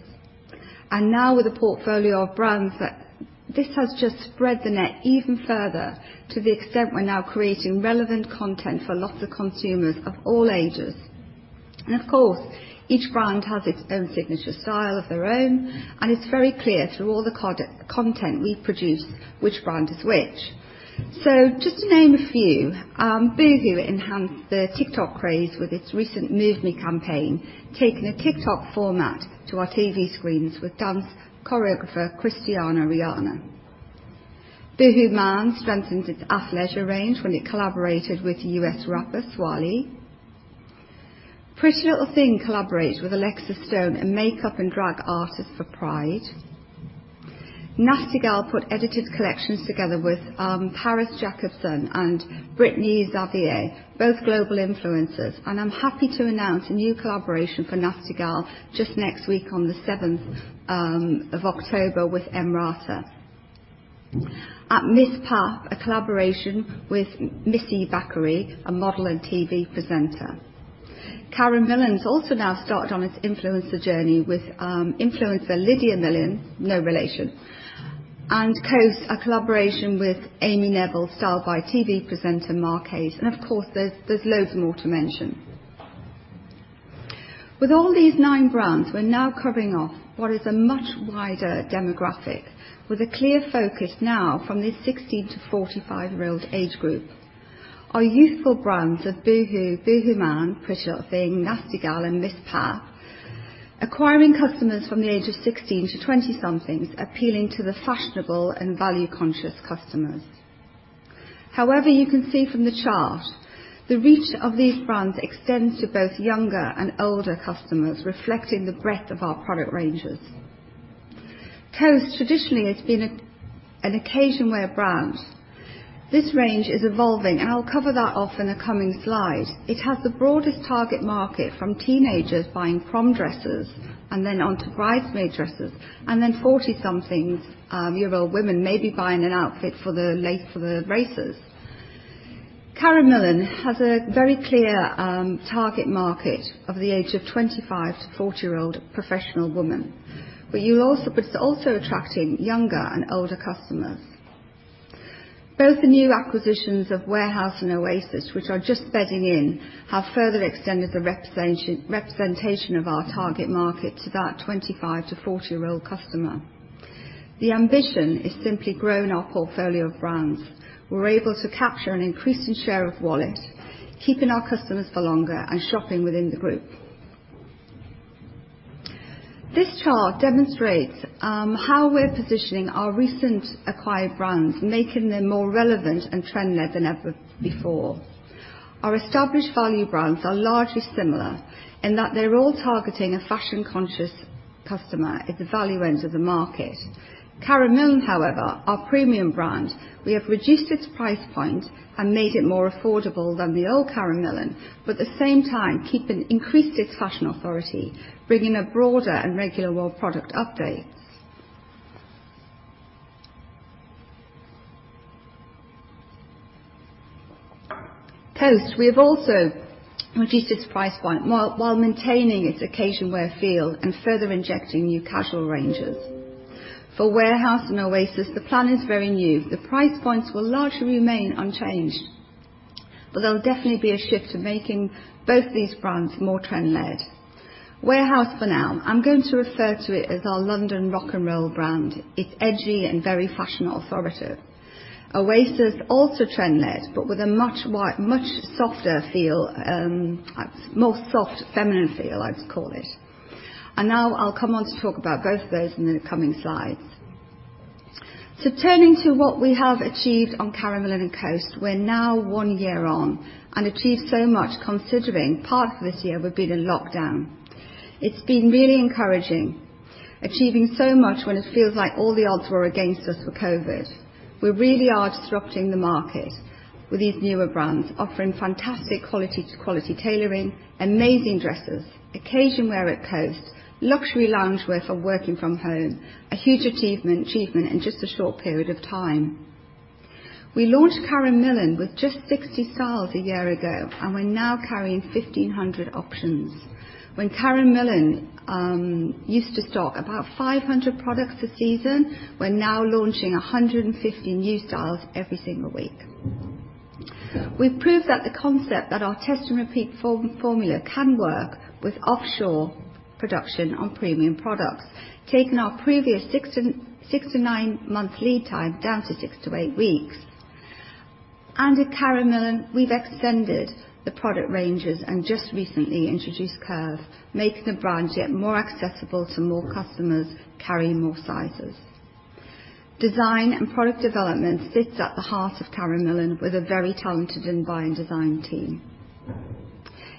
and now with a portfolio of brands that this has just spread the net even further, to the extent we're now creating relevant content for lots of consumers of all ages. Of course, each brand has its own signature style of their own, and it's very clear through all the con-content we produce which brand is which. So just to name a few, Boohoo enhanced the TikTok craze with its recent Move Me campaign, taking a TikTok format to our TV screens with dance choreographer Kristiana Rianna. boohooMAN strengthened its athleisure range when it collaborated with US rapper Swae Lee. PrettyLittleThing collaborated with Alexis Stone, a makeup and drag artist, for Pride. Nasty Gal put edited collections together with Paris Jackson and Brittany Xavier, both global influencers, and I'm happy to announce a new collaboration for Nasty Gal just next week on the seventh of October with EmRata. At MissPap, a collaboration with Missy Keating, a model and TV presenter. Karen Millen's also now started on its influencer journey with influencer Lydia Millen, no relation. Coast, a collaboration with Amy Neville, styled by TV presenter Mark Heyes, and of course, there's loads more to mention. With all these nine brands, we're now covering off what is a much wider demographic, with a clear focus now from the 16- to 45-year-old age group. Our youthful brands of boohoo, boohooMAN, PrettyLittleThing, Nasty Gal and MissPap, acquiring customers from the age of 16 to twenty-somethings, appealing to the fashionable and value-conscious customers. However, you can see from the chart, the reach of these brands extends to both younger and older customers, reflecting the breadth of our product ranges. Coast, traditionally, has been a, an occasion-wear brand. This range is evolving, and I'll cover that off in a coming slide. It has the broadest target market, from teenagers buying prom dresses and then onto bridesmaid dresses, and then forty-somethings, year-old women may be buying an outfit for the race, for the races. Karen Millen has a very clear, target market of the age of 25- to 40-year-old professional women, but it's also attracting younger and older customers. Both the new acquisitions of Warehouse and Oasis, which are just bedding in, have further extended the representation of our target market to that 25- to 40-year-old customer. The ambition is simply growing our portfolio of brands. We're able to capture an increasing share of wallet, keeping our customers for longer and shopping within the group. This chart demonstrates how we're positioning our recent acquired brands, making them more relevant and trend-led than ever before. Our established value brands are largely similar, in that they're all targeting a fashion-conscious customer at the value end of the market. Karen Millen, however, our premium brand, we have reduced its price point and made it more affordable than the old Karen Millen, but at the same time, increased its fashion authority, bringing a broader and regular world product updates. Coast, we have also reduced its price point, while maintaining its occasion wear feel and further injecting new casual ranges. For Warehouse and Oasis, the plan is very new. The price points will largely remain unchanged, but there will definitely be a shift to making both these brands more trend-led. Warehouse, for now, I'm going to refer to it as our London rock 'n' roll brand. It's edgy and very fashion authoritative. Oasis, also trend-led, but with a much softer feel, a more soft, feminine feel, I'd call it. And now I'll come on to talk about both of those in the coming slides. So turning to what we have achieved on Karen Millen and Coast, we're now one year on and achieved so much, considering part of this year we've been in lockdown. It's been really encouraging, achieving so much when it feels like all the odds were against us with Covid. We really are disrupting the market with these newer brands, offering fantastic quality to quality tailoring, amazing dresses, occasion wear at Coast, luxury loungewear for working from home, a huge achievement, achievement in just a short period of time. We launched Karen Millen with just 60 styles a year ago, and we're now carrying 1,500 options. When Karen Millen used to stock about 500 products a season, we're now launching 150 new styles every single week. We've proved that the concept that our test and repeat formula can work with offshore production on premium products, taking our previous 6- to 9-month lead time down to 6- to 8 weeks. And at Karen Millen, we've extended the product ranges and just recently introduced Curve, making the brand yet more accessible to more customers, carrying more sizes. Design and product development sits at the heart of Karen Millen, with a very talented and buying design team.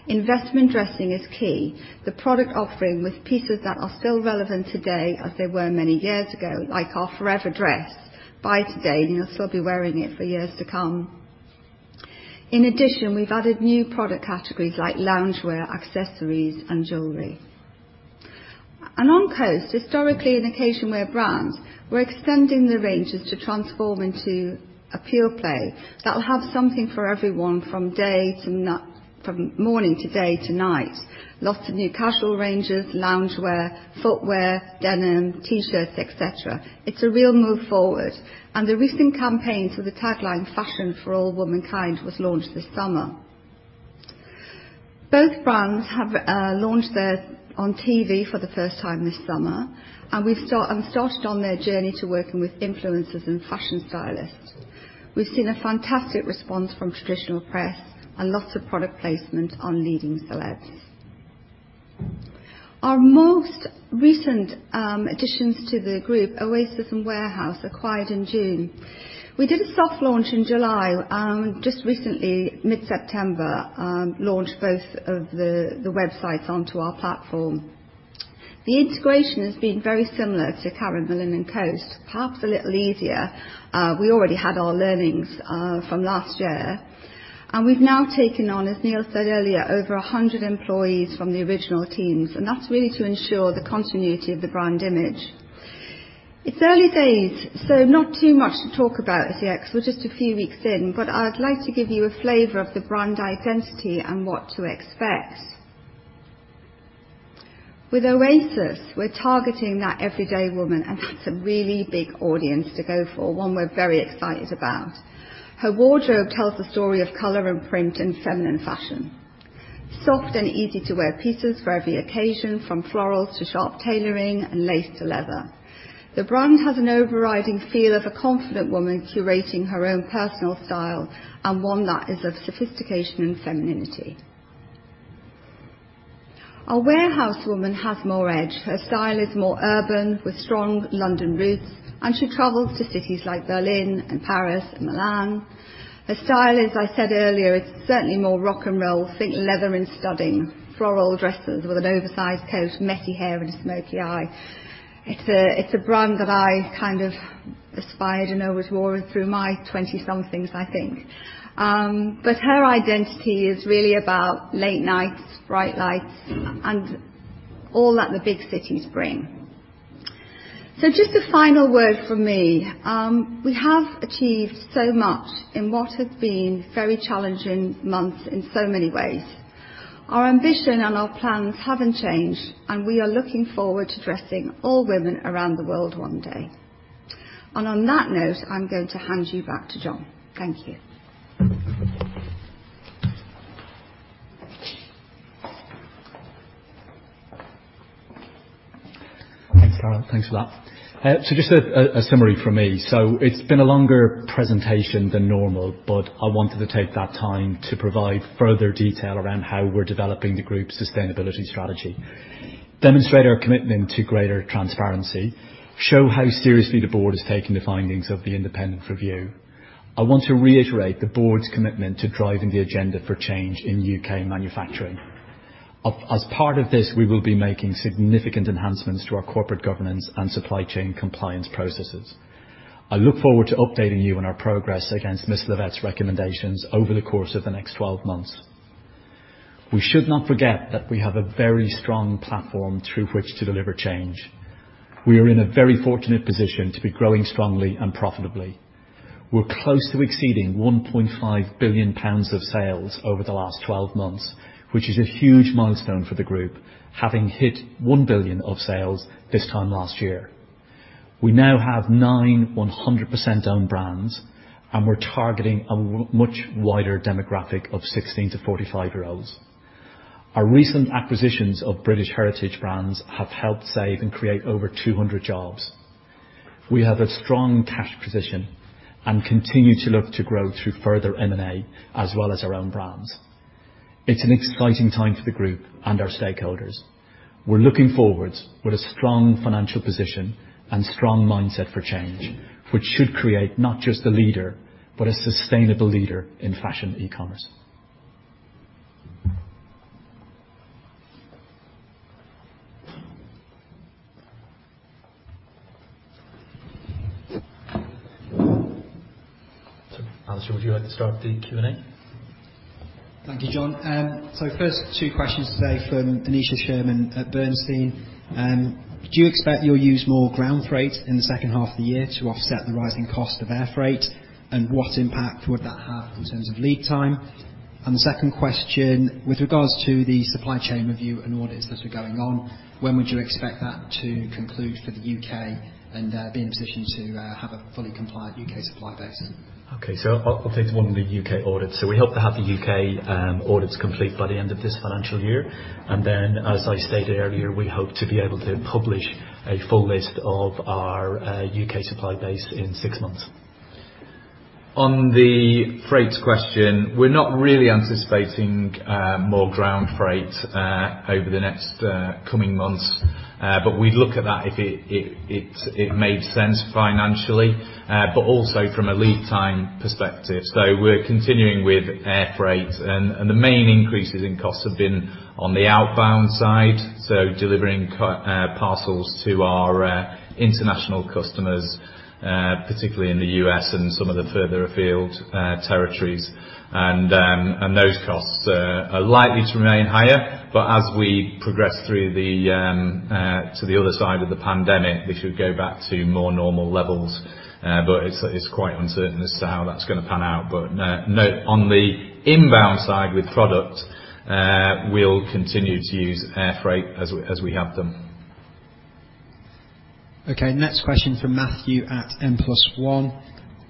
Investment dressing is key. The product offering with pieces that are still relevant today, as they were many years ago, like our Forever Dress. Buy it today, and you'll still be wearing it for years to come. In addition, we've added new product categories like loungewear, accessories, and jewelry. On Coast, historically an occasion wear brand, we're extending the ranges to transform into a pure play that will have something for everyone from morning to day to night. Lots of new casual ranges, loungewear, footwear, denim, T-shirts, et cetera. It's a real move forward, and the recent campaign with the tagline, "Fashion for all womankind," was launched this summer. Both brands have launched their on TV for the first time this summer, and we've started on their journey to working with influencers and fashion stylists. We've seen a fantastic response from traditional press and lots of product placement on leading celebs. Our most recent additions to the group, Oasis and Warehouse, acquired in June. We did a soft launch in July, and just recently, mid-September, launched both of the websites onto our platform. The integration has been very similar to Karen Millen and Coast. Perhaps a little easier, we already had our learnings from last year, and we've now taken on, as Neil said earlier, over 100 employees from the original teams, and that's really to ensure the continuity of the brand image. It's early days, so not too much to talk about as yet, 'cause we're just a few weeks in, but I'd like to give you a flavor of the brand identity and what to expect. With Oasis, we're targeting that everyday woman, and that's a really big audience to go for, one we're very excited about. Her wardrobe tells a story of color and print and feminine fashion. Soft and easy-to-wear pieces for every occasion, from florals to sharp tailoring and lace to leather. The brand has an overriding feel of a confident woman curating her own personal style and one that is of sophistication and femininity. Our Warehouse woman has more edge. Her style is more urban, with strong London roots, and she travels to cities like Berlin and Paris and Milan. Her style, as I said earlier, it's certainly more rock 'n' roll. Think leather and studding, floral dresses with an oversized coat, messy hair, and a smoky eye. It's a brand that I kind of aspired and always wore through my twenty-something, I think. But her identity is really about late nights, bright lights, and all that the big cities bring. So just a final word from me. We have achieved so much in what has been very challenging months in so many ways. Our ambition and our plans haven't changed, and we are looking forward to dressing all women around the world one day. And on that note, I'm going to hand you back to John. Thank you. Thanks, Clara. Thanks for that. So just a summary from me. So it's been a longer presentation than normal, but I wanted to take that time to provide further detail around how we're developing the group's sustainability strategy, demonstrate our commitment to greater transparency, show how seriously the board is taking the findings of the independent review. I want to reiterate the board's commitment to driving the agenda for change in UK manufacturing. As part of this, we will be making significant enhancements to our corporate governance and supply chain compliance processes. I look forward to updating you on our progress against Miss Levitt's recommendations over the course of the next twelve months. We should not forget that we have a very strong platform through which to deliver change. We are in a very fortunate position to be growing strongly and profitably. We're close to exceeding 1.5 billion pounds of sales over the last 12 months, which is a huge milestone for the group, having hit 1 billion of sales this time last year. We now have nine 100% owned brands, and we're targeting much wider demographic of 16- to 45-year-olds. Our recent acquisitions of British heritage brands have helped save and create over 200 jobs. We have a strong cash position and continue to look to grow through further M&A as well as our own brands. It's an exciting time for the group and our stakeholders. We're looking forwards with a strong financial position and strong mindset for change, which should create not just a leader, but a sustainable leader in fashion e-commerce. So, Andrew, would you like to start the Q&A? Thank you, John. So first, two questions today from Aneesha Sherman at Bernstein. Do you expect you'll use more ground freight in the second half of the year to offset the rising cost of air freight? And what impact would that have in terms of lead time? And the second question, with regards to the supply chain review and audits that are going on, when would you expect that to conclude for the UK and be in position to have a fully compliant UK supply base? Okay, so I'll take the one with the UK audits. We hope to have the UK audits complete by the end of this financial year. Then, as I stated earlier, we hope to be able to publish a full list of our UK supply base in six months. On the freight question, we're not really anticipating more ground freight over the next coming months. But we'd look at that if it made sense financially, but also from a lead time perspective. So we're continuing with air freight, and the main increases in costs have been on the outbound side, so delivering parcels to our international customers, particularly in the US and some of the further afield territories. And those costs are likely to remain higher. But as we progress through to the other side of the pandemic, we should go back to more normal levels. But it's quite uncertain as to how that's gonna pan out. But, note, on the inbound side with product, we'll continue to use air freight as we, as we have done. Okay, next question from Matthew at N+1 Singer.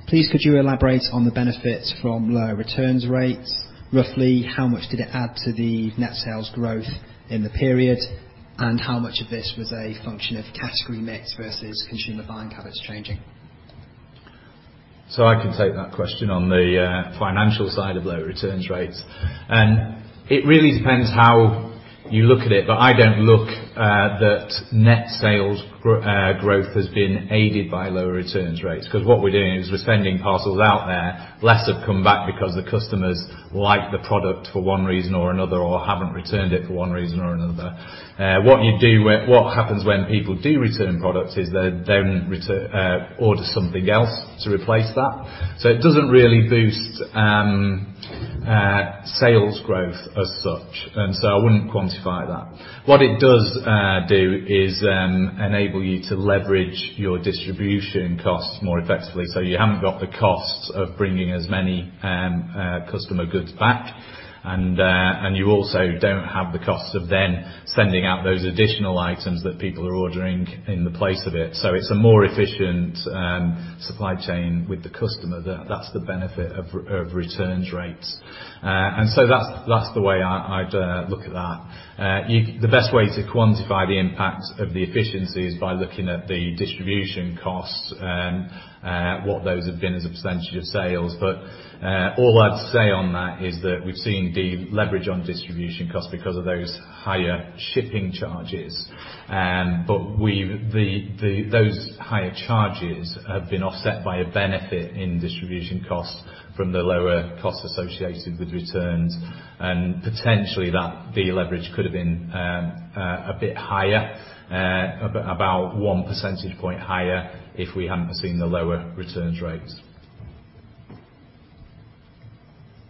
Please, could you elaborate on the benefits from lower returns rates? Roughly, how much did it add to the net sales growth in the period, and how much of this was a function of category mix versus consumer buying habits changing? So I can take that question on the financial side of low returns rates. And it really depends how you look at it, but I don't look that net sales growth has been aided by lower returns rates, 'cause what we're doing is we're sending parcels out there. Less have come back because the customers like the product for one reason or another, or haven't returned it for one reason or another. What you do when what happens when people do return products is they don't return order something else to replace that. So it doesn't really boost sales growth as such, and so I wouldn't quantify that. What it does do is enable you to leverage your distribution costs more effectively, so you haven't got the costs of bringing as many customer goods back. And you also don't have the costs of then sending out those additional items that people are ordering in the place of it. So it's a more efficient supply chain with the customer. That's the benefit of returns rates. And so that's the way I'd look at that. The best way to quantify the impact of the efficiency is by looking at the distribution costs and what those have been as a percentage of sales. But all I'd say on that is that we've seen deleverage on distribution costs because of those higher shipping charges. But we've those higher charges have been offset by a benefit in distribution costs from the lower costs associated with returns, and potentially that deleverage could have been a bit higher, about 1 percentage point higher if we hadn't seen the lower returns rates.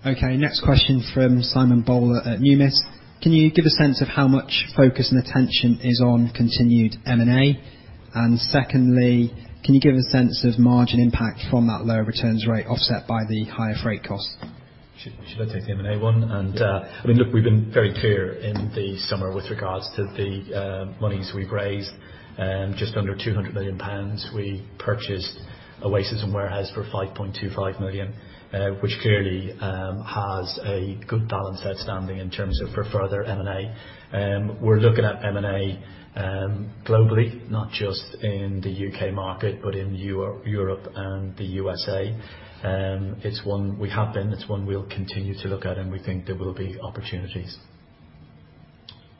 Okay, next question from Simon Bowler at Numis. Can you give a sense of how much focus and attention is on continued M&A? And secondly, can you give a sense of margin impact from that lower returns rate, offset by the higher freight costs?... Should I take the M&A one? I mean, look, we've been very clear in the summer with regards to the monies we've raised, just under 200 million pounds. We purchased Oasis and Warehouse for 5.25 million, which clearly has a good balance outstanding in terms of for further M&A. We're looking at M&A globally, not just in the UK market, but in Europe and the USA. It's one we have been, it's one we'll continue to look at, and we think there will be opportunities.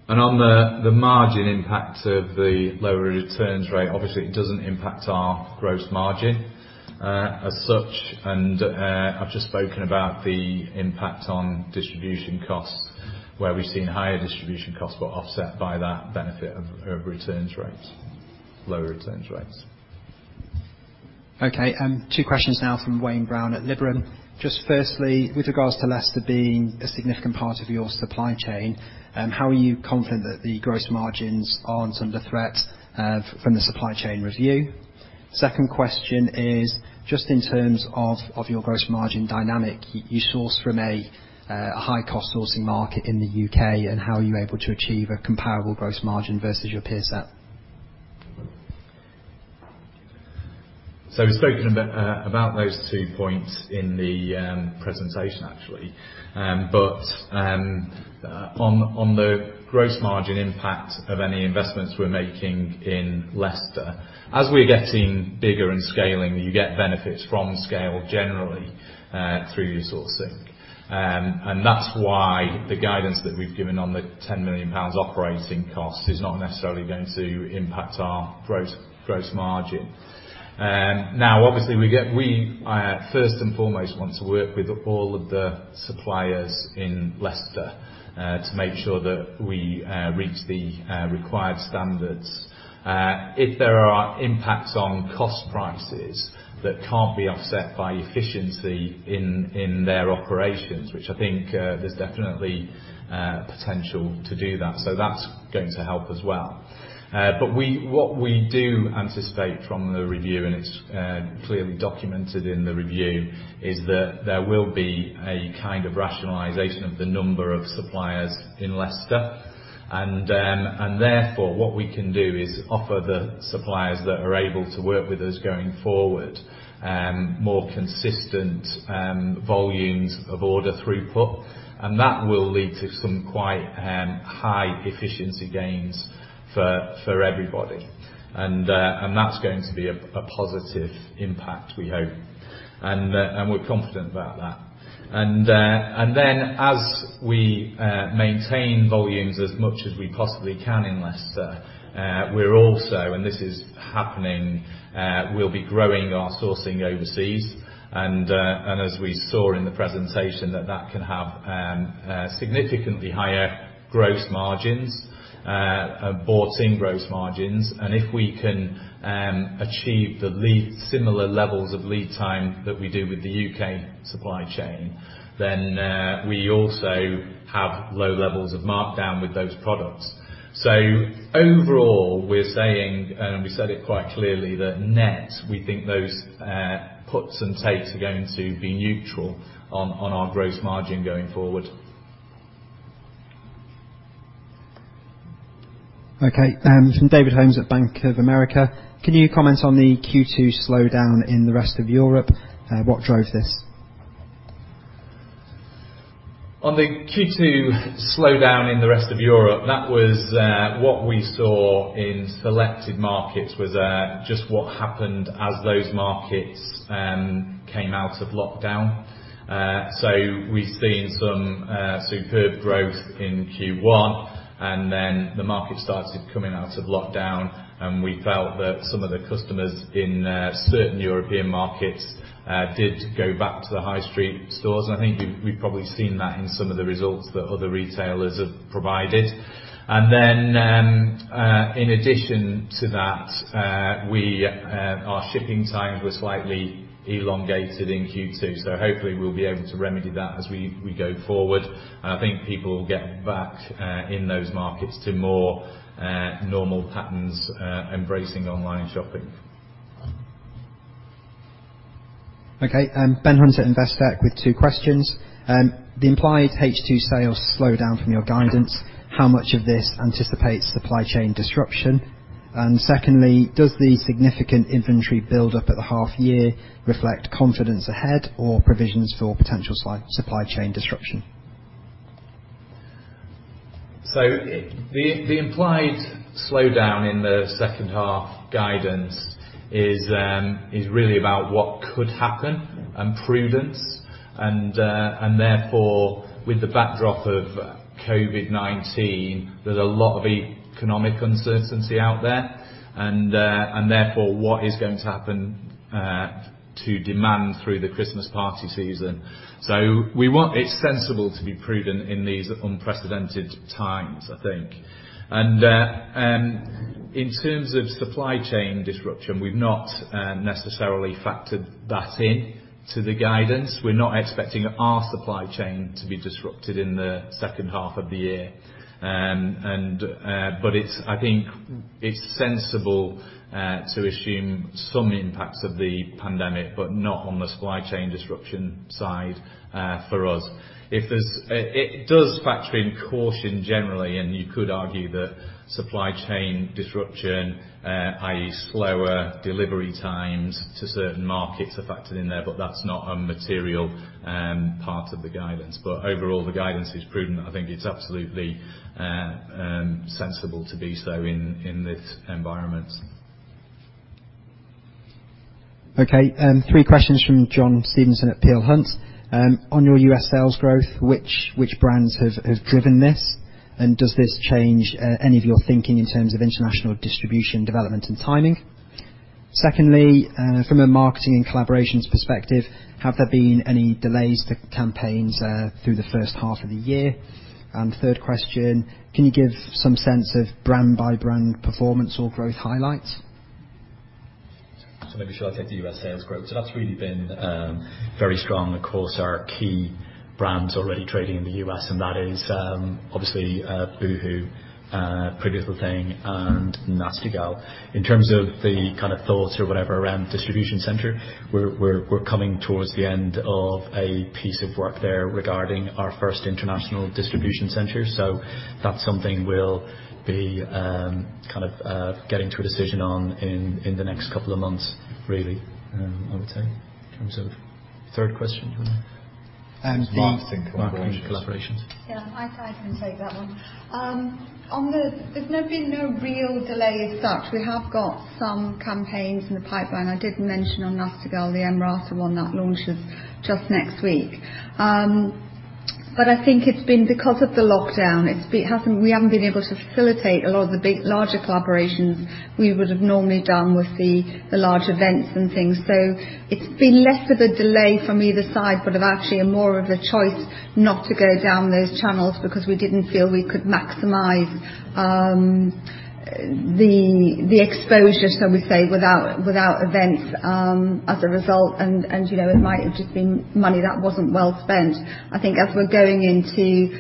On the margin impact of the lower returns rate, obviously, it doesn't impact our gross margin, as such, and, I've just spoken about the impact on distribution costs, where we've seen higher distribution costs were offset by that benefit of returns rates, lower returns rates. Okay, two questions now from Wayne Brown at Liberum. Just firstly, with regards to Leicester being a significant part of your supply chain, how are you confident that the gross margins aren't under threat from the supply chain review? Second question is, just in terms of your gross margin dynamic, you source from a high-cost sourcing market in the UK, and how are you able to achieve a comparable gross margin versus your peer set? So we've spoken a bit about those two points in the presentation, actually. But on the gross margin impact of any investments we're making in Leicester, as we're getting bigger and scaling, you get benefits from scale generally through your sourcing. And that's why the guidance that we've given on the 10 million pounds operating cost is not necessarily going to impact our gross margin. Now, obviously, we first and foremost want to work with all of the suppliers in Leicester to make sure that we reach the required standards. If there are impacts on cost prices that can't be offset by efficiency in their operations, which I think there's definitely potential to do that, so that's going to help as well. But what we do anticipate from the review, and it's clearly documented in the review, is that there will be a kind of rationalization of the number of suppliers in Leicester. And therefore, what we can do is offer the suppliers that are able to work with us going forward more consistent volumes of order throughput, and that will lead to some quite high efficiency gains for everybody. And that's going to be a positive impact, we hope. And we're confident about that. And then, as we maintain volumes as much as we possibly can in Leicester, we're also, and this is happening, we'll be growing our sourcing overseas, and as we saw in the presentation, that can have significantly higher gross margins, bought-in gross margins. And if we can achieve similar levels of lead time that we do with the UK supply chain, then we also have low levels of markdown with those products. So overall, we're saying, and we said it quite clearly, that net, we think those puts and takes are going to be neutral on our gross margin going forward. Okay, from David Holmes at Bank of America. Can you comment on the Q2 slowdown in the rest of Europe? What drove this? On the Q2 slowdown in the rest of Europe, that was what we saw in selected markets, just what happened as those markets came out of lockdown. So we've seen some superb growth in Q1, and then the market started coming out of lockdown, and we felt that some of the customers in certain European markets did go back to the high street stores. I think we've probably seen that in some of the results that other retailers have provided. And then, in addition to that, our shipping times were slightly elongated in Q2, so hopefully we'll be able to remedy that as we go forward. I think people will get back in those markets to more normal patterns, embracing online shopping. Okay, Ben Hunt at Investec with two questions. The implied H2 sales slow down from your guidance, how much of this anticipates supply chain disruption? And secondly, does the significant inventory build-up at the half year reflect confidence ahead or provisions for potential supply chain disruption? The implied slowdown in the second half guidance is really about what could happen and prudence, and therefore, with the backdrop of COVID-19, there's a lot of economic uncertainty out there, and therefore, what is going to happen to demand through the Christmas party season. So we want—it's sensible to be prudent in these unprecedented times, I think. In terms of supply chain disruption, we've not necessarily factored that in to the guidance. We're not expecting our supply chain to be disrupted in the second half of the year. But it's—I think it's sensible to assume some impacts of the pandemic, but not on the supply chain disruption side for us. If there's... It does factor in caution generally, and you could argue that supply chain disruption, i.e., slower delivery times to certain markets, are factored in there, but that's not a material part of the guidance. But overall, the guidance is prudent. I think it's absolutely sensible to do so in this environment. Okay, three questions from John Stevenson at Peel Hunt. On your U.S. sales growth, which, which brands have, have driven this? And does this change any of your thinking in terms of international distribution, development, and timing? Secondly, from a marketing and collaborations perspective, have there been any delays to campaigns through the first half of the year? And third question, can you give some sense of brand-by-brand performance or growth highlights? So maybe should I take the U.S. sales growth? So that's really been very strong. Of course, our key brand's already trading in the U.S., and that is obviously Boohoo, PrettyLittleThing, and Nasty Gal. In terms of the kind of thoughts or whatever around distribution center, we're coming towards the end of a piece of work there regarding our first international distribution center. So that's something we'll be kind of getting to a decision on in the next couple of months, really, I would say. In terms of third question, do you want that? Marketing collaborations. Marketing collaborations. Yeah, I, I can take that one. On the... There's been no real delay as such. We have got some campaigns in the pipeline. I did mention on Nasty Gal, the EmRata one that launches just next week. But I think it's been because of the lockdown. It's been; we haven't been able to facilitate a lot of the big, larger collaborations we would have normally done with the large events and things. So it's been less of a delay from either side, but actually more of a choice not to go down those channels because we didn't feel we could maximize the exposure, shall we say, without events as a result. And you know, it might have just been money that wasn't well spent. I think as we're going into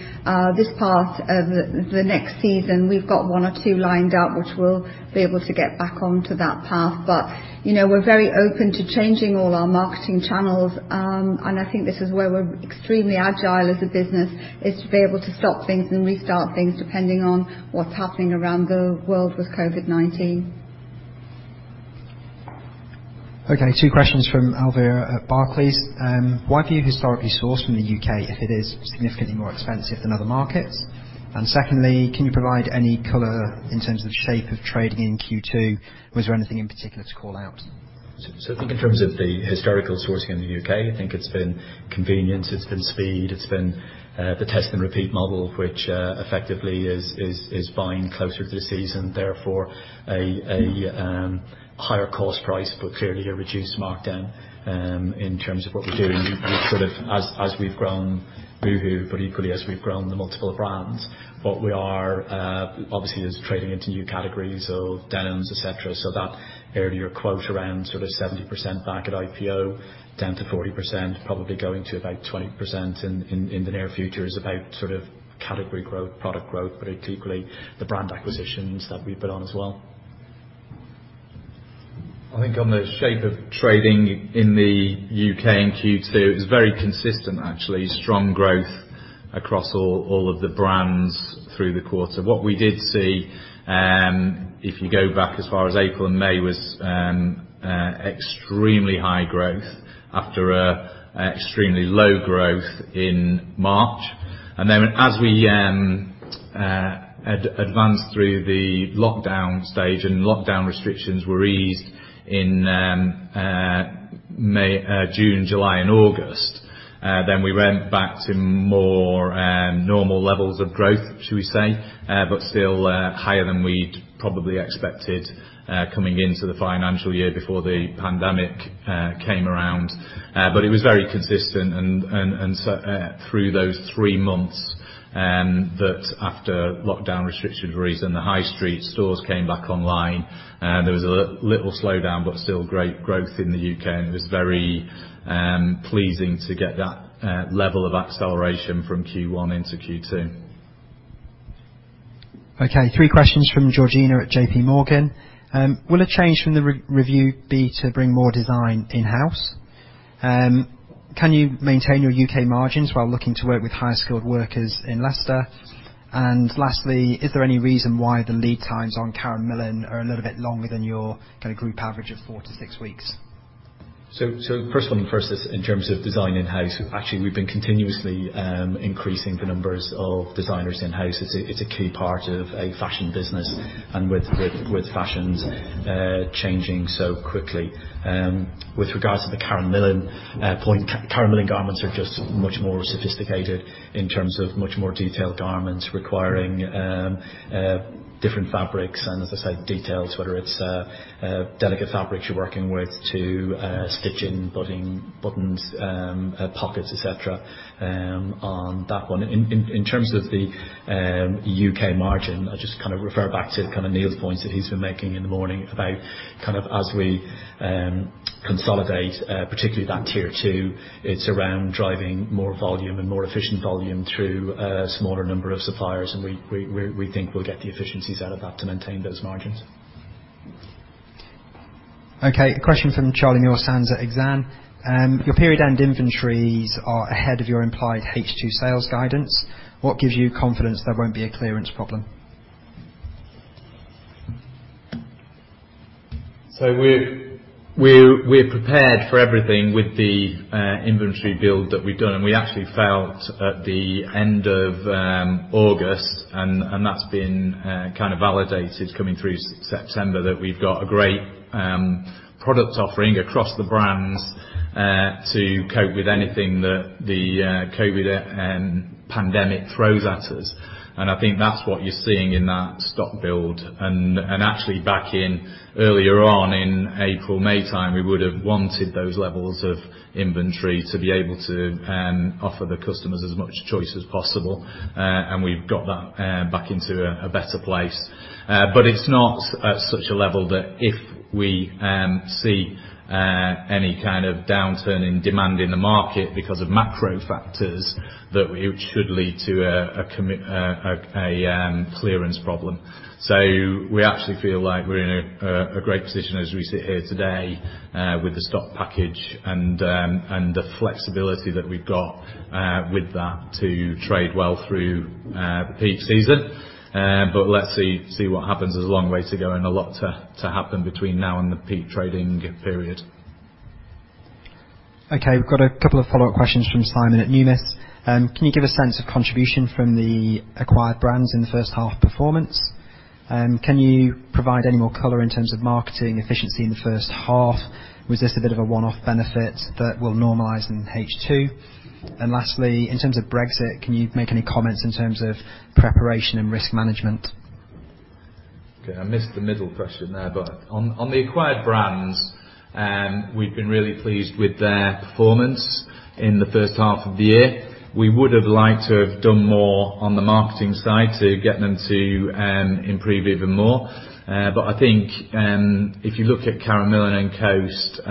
this part of the next season, we've got one or two lined up, which we'll be able to get back onto that path. But, you know, we're very open to changing all our marketing channels, and I think this is where we're extremely agile as a business, is to be able to stop things and restart things, depending on what's happening around the world with COVID-19. Okay, two questions from Alvira at Barclays. Why do you historically source from the UK if it is significantly more expensive than other markets? And secondly, can you provide any color in terms of the shape of trading in Q2, and was there anything in particular to call out? So, I think in terms of the historical sourcing in the UK, I think it's been convenience, it's been speed, it's been the test and repeat model, which effectively is buying closer to the season, therefore a higher cost price, but clearly a reduced markdown in terms of what we're doing. We've sort of... As we've grown Boohoo, but equally as we've grown the multiple brands, what we are obviously is trading into new categories of denims, et cetera. So that earlier quote around sort of 70% back at IPO, down to 40%, probably going to about 20% in the near future, is about sort of category growth, product growth, but equally the brand acquisitions that we've put on as well. I think on the shape of trading in the UK in Q2, it was very consistent, actually. Strong growth across all, all of the brands through the quarter. What we did see, if you go back as far as April and May, was extremely high growth after an extremely low growth in March. And then as we advanced through the lockdown stage, and lockdown restrictions were eased in May, June, July, and August, then we went back to more normal levels of growth, should we say, but still higher than we'd probably expected, coming into the financial year before the pandemic came around. But it was very consistent and so, through those three months that after lockdown restrictions were eased and the high street stores came back online, there was a little slowdown, but still great growth in the UK. It was very pleasing to get that level of acceleration from Q1 into Q2. Okay, three questions from Georgina at J.P. Morgan. Will a change from the re-review be to bring more design in-house? Can you maintain your UK margins while looking to work with higher skilled workers in Leicester? And lastly, is there any reason why the lead times on Karen Millen are a little bit longer than your kind of group average of 4-6 weeks? So, first one first, is in terms of design in-house, actually, we've been continuously increasing the numbers of designers in-house. It's a key part of a fashion business, and with fashions changing so quickly. With regards to the Karen Millen point, Karen Millen garments are just much more sophisticated in terms of much more detailed garments requiring different fabrics, and as I said, details, whether it's delicate fabrics you're working with, to stitching, buttons, pockets, et cetera, on that one. In terms of the UK margin, I'll just kind of refer back to the kind of Neil's points that he's been making in the morning about kind of as we consolidate, particularly that Tier Two, it's around driving more volume and more efficient volume through a smaller number of suppliers, and we think we'll get the efficiencies out of that to maintain those margins.... Okay, a question from Charlie Muir-Sands at Exane. Your period-end inventories are ahead of your implied H2 sales guidance. What gives you confidence there won't be a clearance problem? So we're prepared for everything with the inventory build that we've done, and we actually felt at the end of August, and that's been kind of validated coming through September, that we've got a great product offering across the brands to cope with anything that the COVID pandemic throws at us. And I think that's what you're seeing in that stock build. And actually back in earlier on in April, May time, we would have wanted those levels of inventory to be able to offer the customers as much choice as possible. And we've got that back into a better place. But it's not at such a level that if we see any kind of downturn in demand in the market because of macro factors, that it should lead to a clearance problem. So we actually feel like we're in a great position as we sit here today, with the stock package and the flexibility that we've got, with that to trade well through the peak season. But let's see what happens. There's a long way to go and a lot to happen between now and the peak trading period. Okay, we've got a couple of follow-up questions from Simon at Numis. Can you give a sense of contribution from the acquired brands in the first half performance? Can you provide any more color in terms of marketing efficiency in the first half? Was this a bit of a one-off benefit that will normalize in H2? And lastly, in terms of Brexit, can you make any comments in terms of preparation and risk management? Okay, I missed the middle question there, but on the acquired brands, we've been really pleased with their performance in the first half of the year. We would have liked to have done more on the marketing side to get them to improve even more. But I think, if you look at Karen Millen and Coast,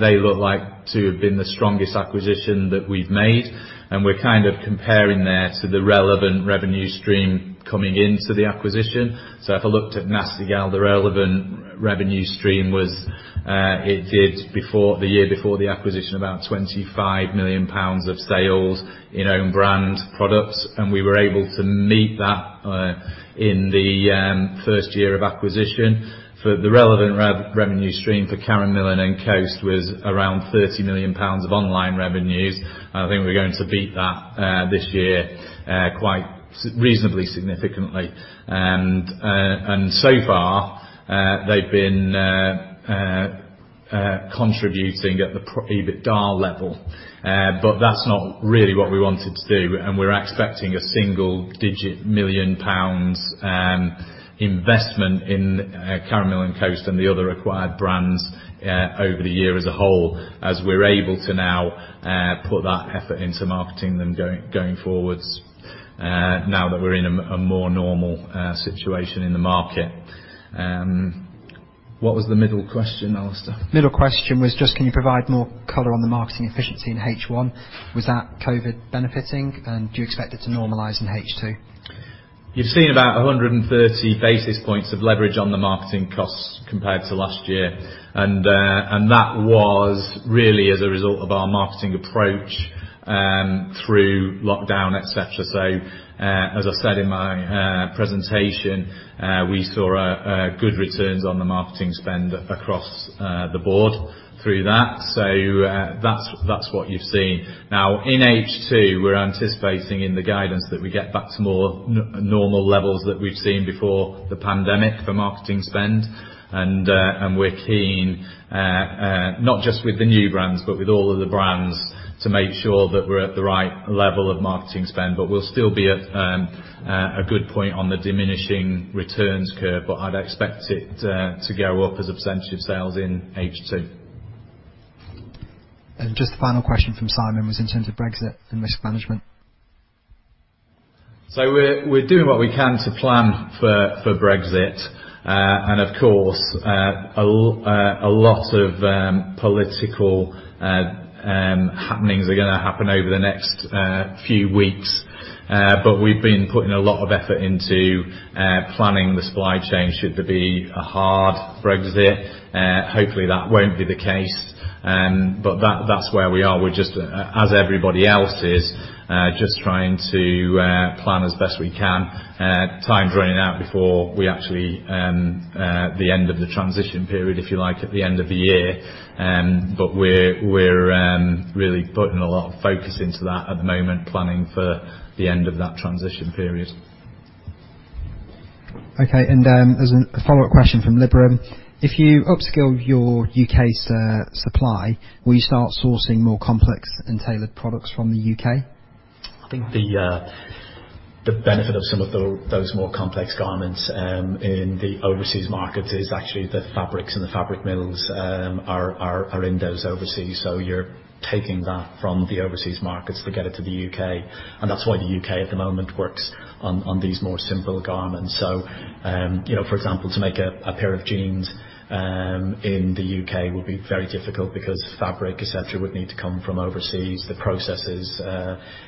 they look like to have been the strongest acquisition that we've made, and we're kind of comparing there to the relevant revenue stream coming into the acquisition. So if I looked at Nasty Gal, the relevant revenue stream was, it did before the year before the acquisition, about 25 million pounds of sales in own brand products, and we were able to meet that, in the first year of acquisition. For the relevant revenue stream for Karen Millen and Coast was around 30 million pounds of online revenues. I think we're going to beat that this year quite reasonably significantly. And so far, they've been contributing at the pro forma EBITDA level. But that's not really what we wanted to do, and we're expecting a single-digit million pounds investment in Karen Millen and Coast and the other acquired brands over the year as a whole, as we're able to now put that effort into marketing them going forwards now that we're in a more normal situation in the market. What was the middle question, Alistair? Middle question was just, can you provide more color on the marketing efficiency in H1? Was that COVID benefiting, and do you expect it to normalize in H2? You've seen about 130 basis points of leverage on the marketing costs compared to last year. And that was really as a result of our marketing approach through lockdown, et cetera. So, as I said in my presentation, we saw good returns on the marketing spend across the board through that. So, that's what you've seen. Now, in H2, we're anticipating in the guidance that we get back to more normal levels that we've seen before the pandemic for marketing spend. We're keen, not just with the new brands, but with all of the brands, to make sure that we're at the right level of marketing spend, but we'll still be at a good point on the diminishing returns curve, but I'd expect it to go up as a percentage of sales in H2. Just the final question from Simon was in terms of Brexit and risk management. So we're doing what we can to plan for Brexit. And of course, a lot of political happenings are gonna happen over the next few weeks. But we've been putting a lot of effort into planning the supply chain, should there be a hard Brexit. Hopefully, that won't be the case, but that's where we are. We're just, as everybody else is, just trying to plan as best we can. Time's running out before we actually the end of the transition period, if you like, at the end of the year. But we're really putting a lot of focus into that at the moment, planning for the end of that transition period. Okay, and, there's a follow-up question from Liberum. If you upskill your UK supply, will you start sourcing more complex and tailored products from the UK? I think the benefit of some of those more complex garments in the overseas market is actually the fabrics and the fabric mills are in those overseas. So you're taking that from the overseas markets to get it to the UK, and that's why the UK, at the moment, works on these more simple garments. So, you know, for example, to make a pair of jeans in the UK would be very difficult because fabric, et cetera, would need to come from overseas, the processes,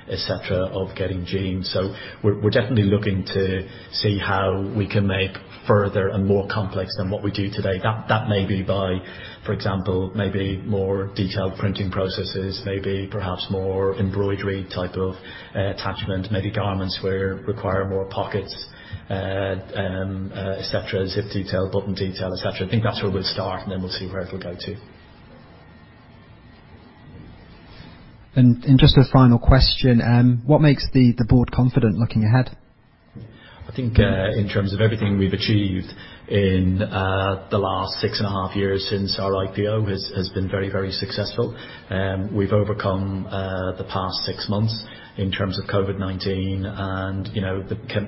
et cetera, of getting jeans. So we're definitely looking to see how we can make further and more complex than what we do today. That may be by, for example, maybe more detailed printing processes, maybe perhaps more embroidery type of attachment, maybe garments where require more pockets, et cetera, zip detail, button detail, et cetera. I think that's where we'll start, and then we'll see where it will go to. Just a final question, what makes the board confident looking ahead? I think, in terms of everything we've achieved in, the last 6.5 years since our IPO has been very, very successful. We've overcome, the past 6 months in terms of COVID-19 and, you know,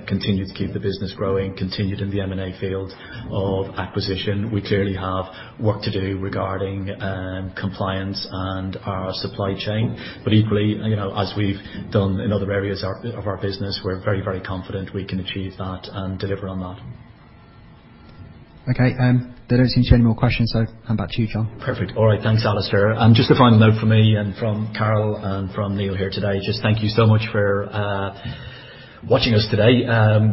continued to keep the business growing, continued in the M&A field of acquisition. We clearly have work to do regarding, compliance and our supply chain. But equally, you know, as we've done in other areas of our business, we're very, very confident we can achieve that and deliver on that. Okay, there doesn't seem to be any more questions, so back to you, Carol. Perfect. All right, thanks, Alistair. Just a final note from me and from Carol and from Neil here today, just thank you so much for watching us today.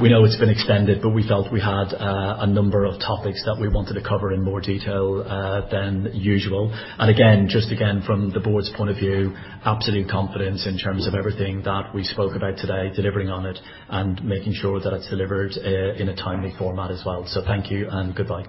We know it's been extended, but we felt we had a number of topics that we wanted to cover in more detail than usual. And again, just again, from the board's point of view, absolute confidence in terms of everything that we spoke about today, delivering on it, and making sure that it's delivered in a timely format as well. So thank you and goodbye.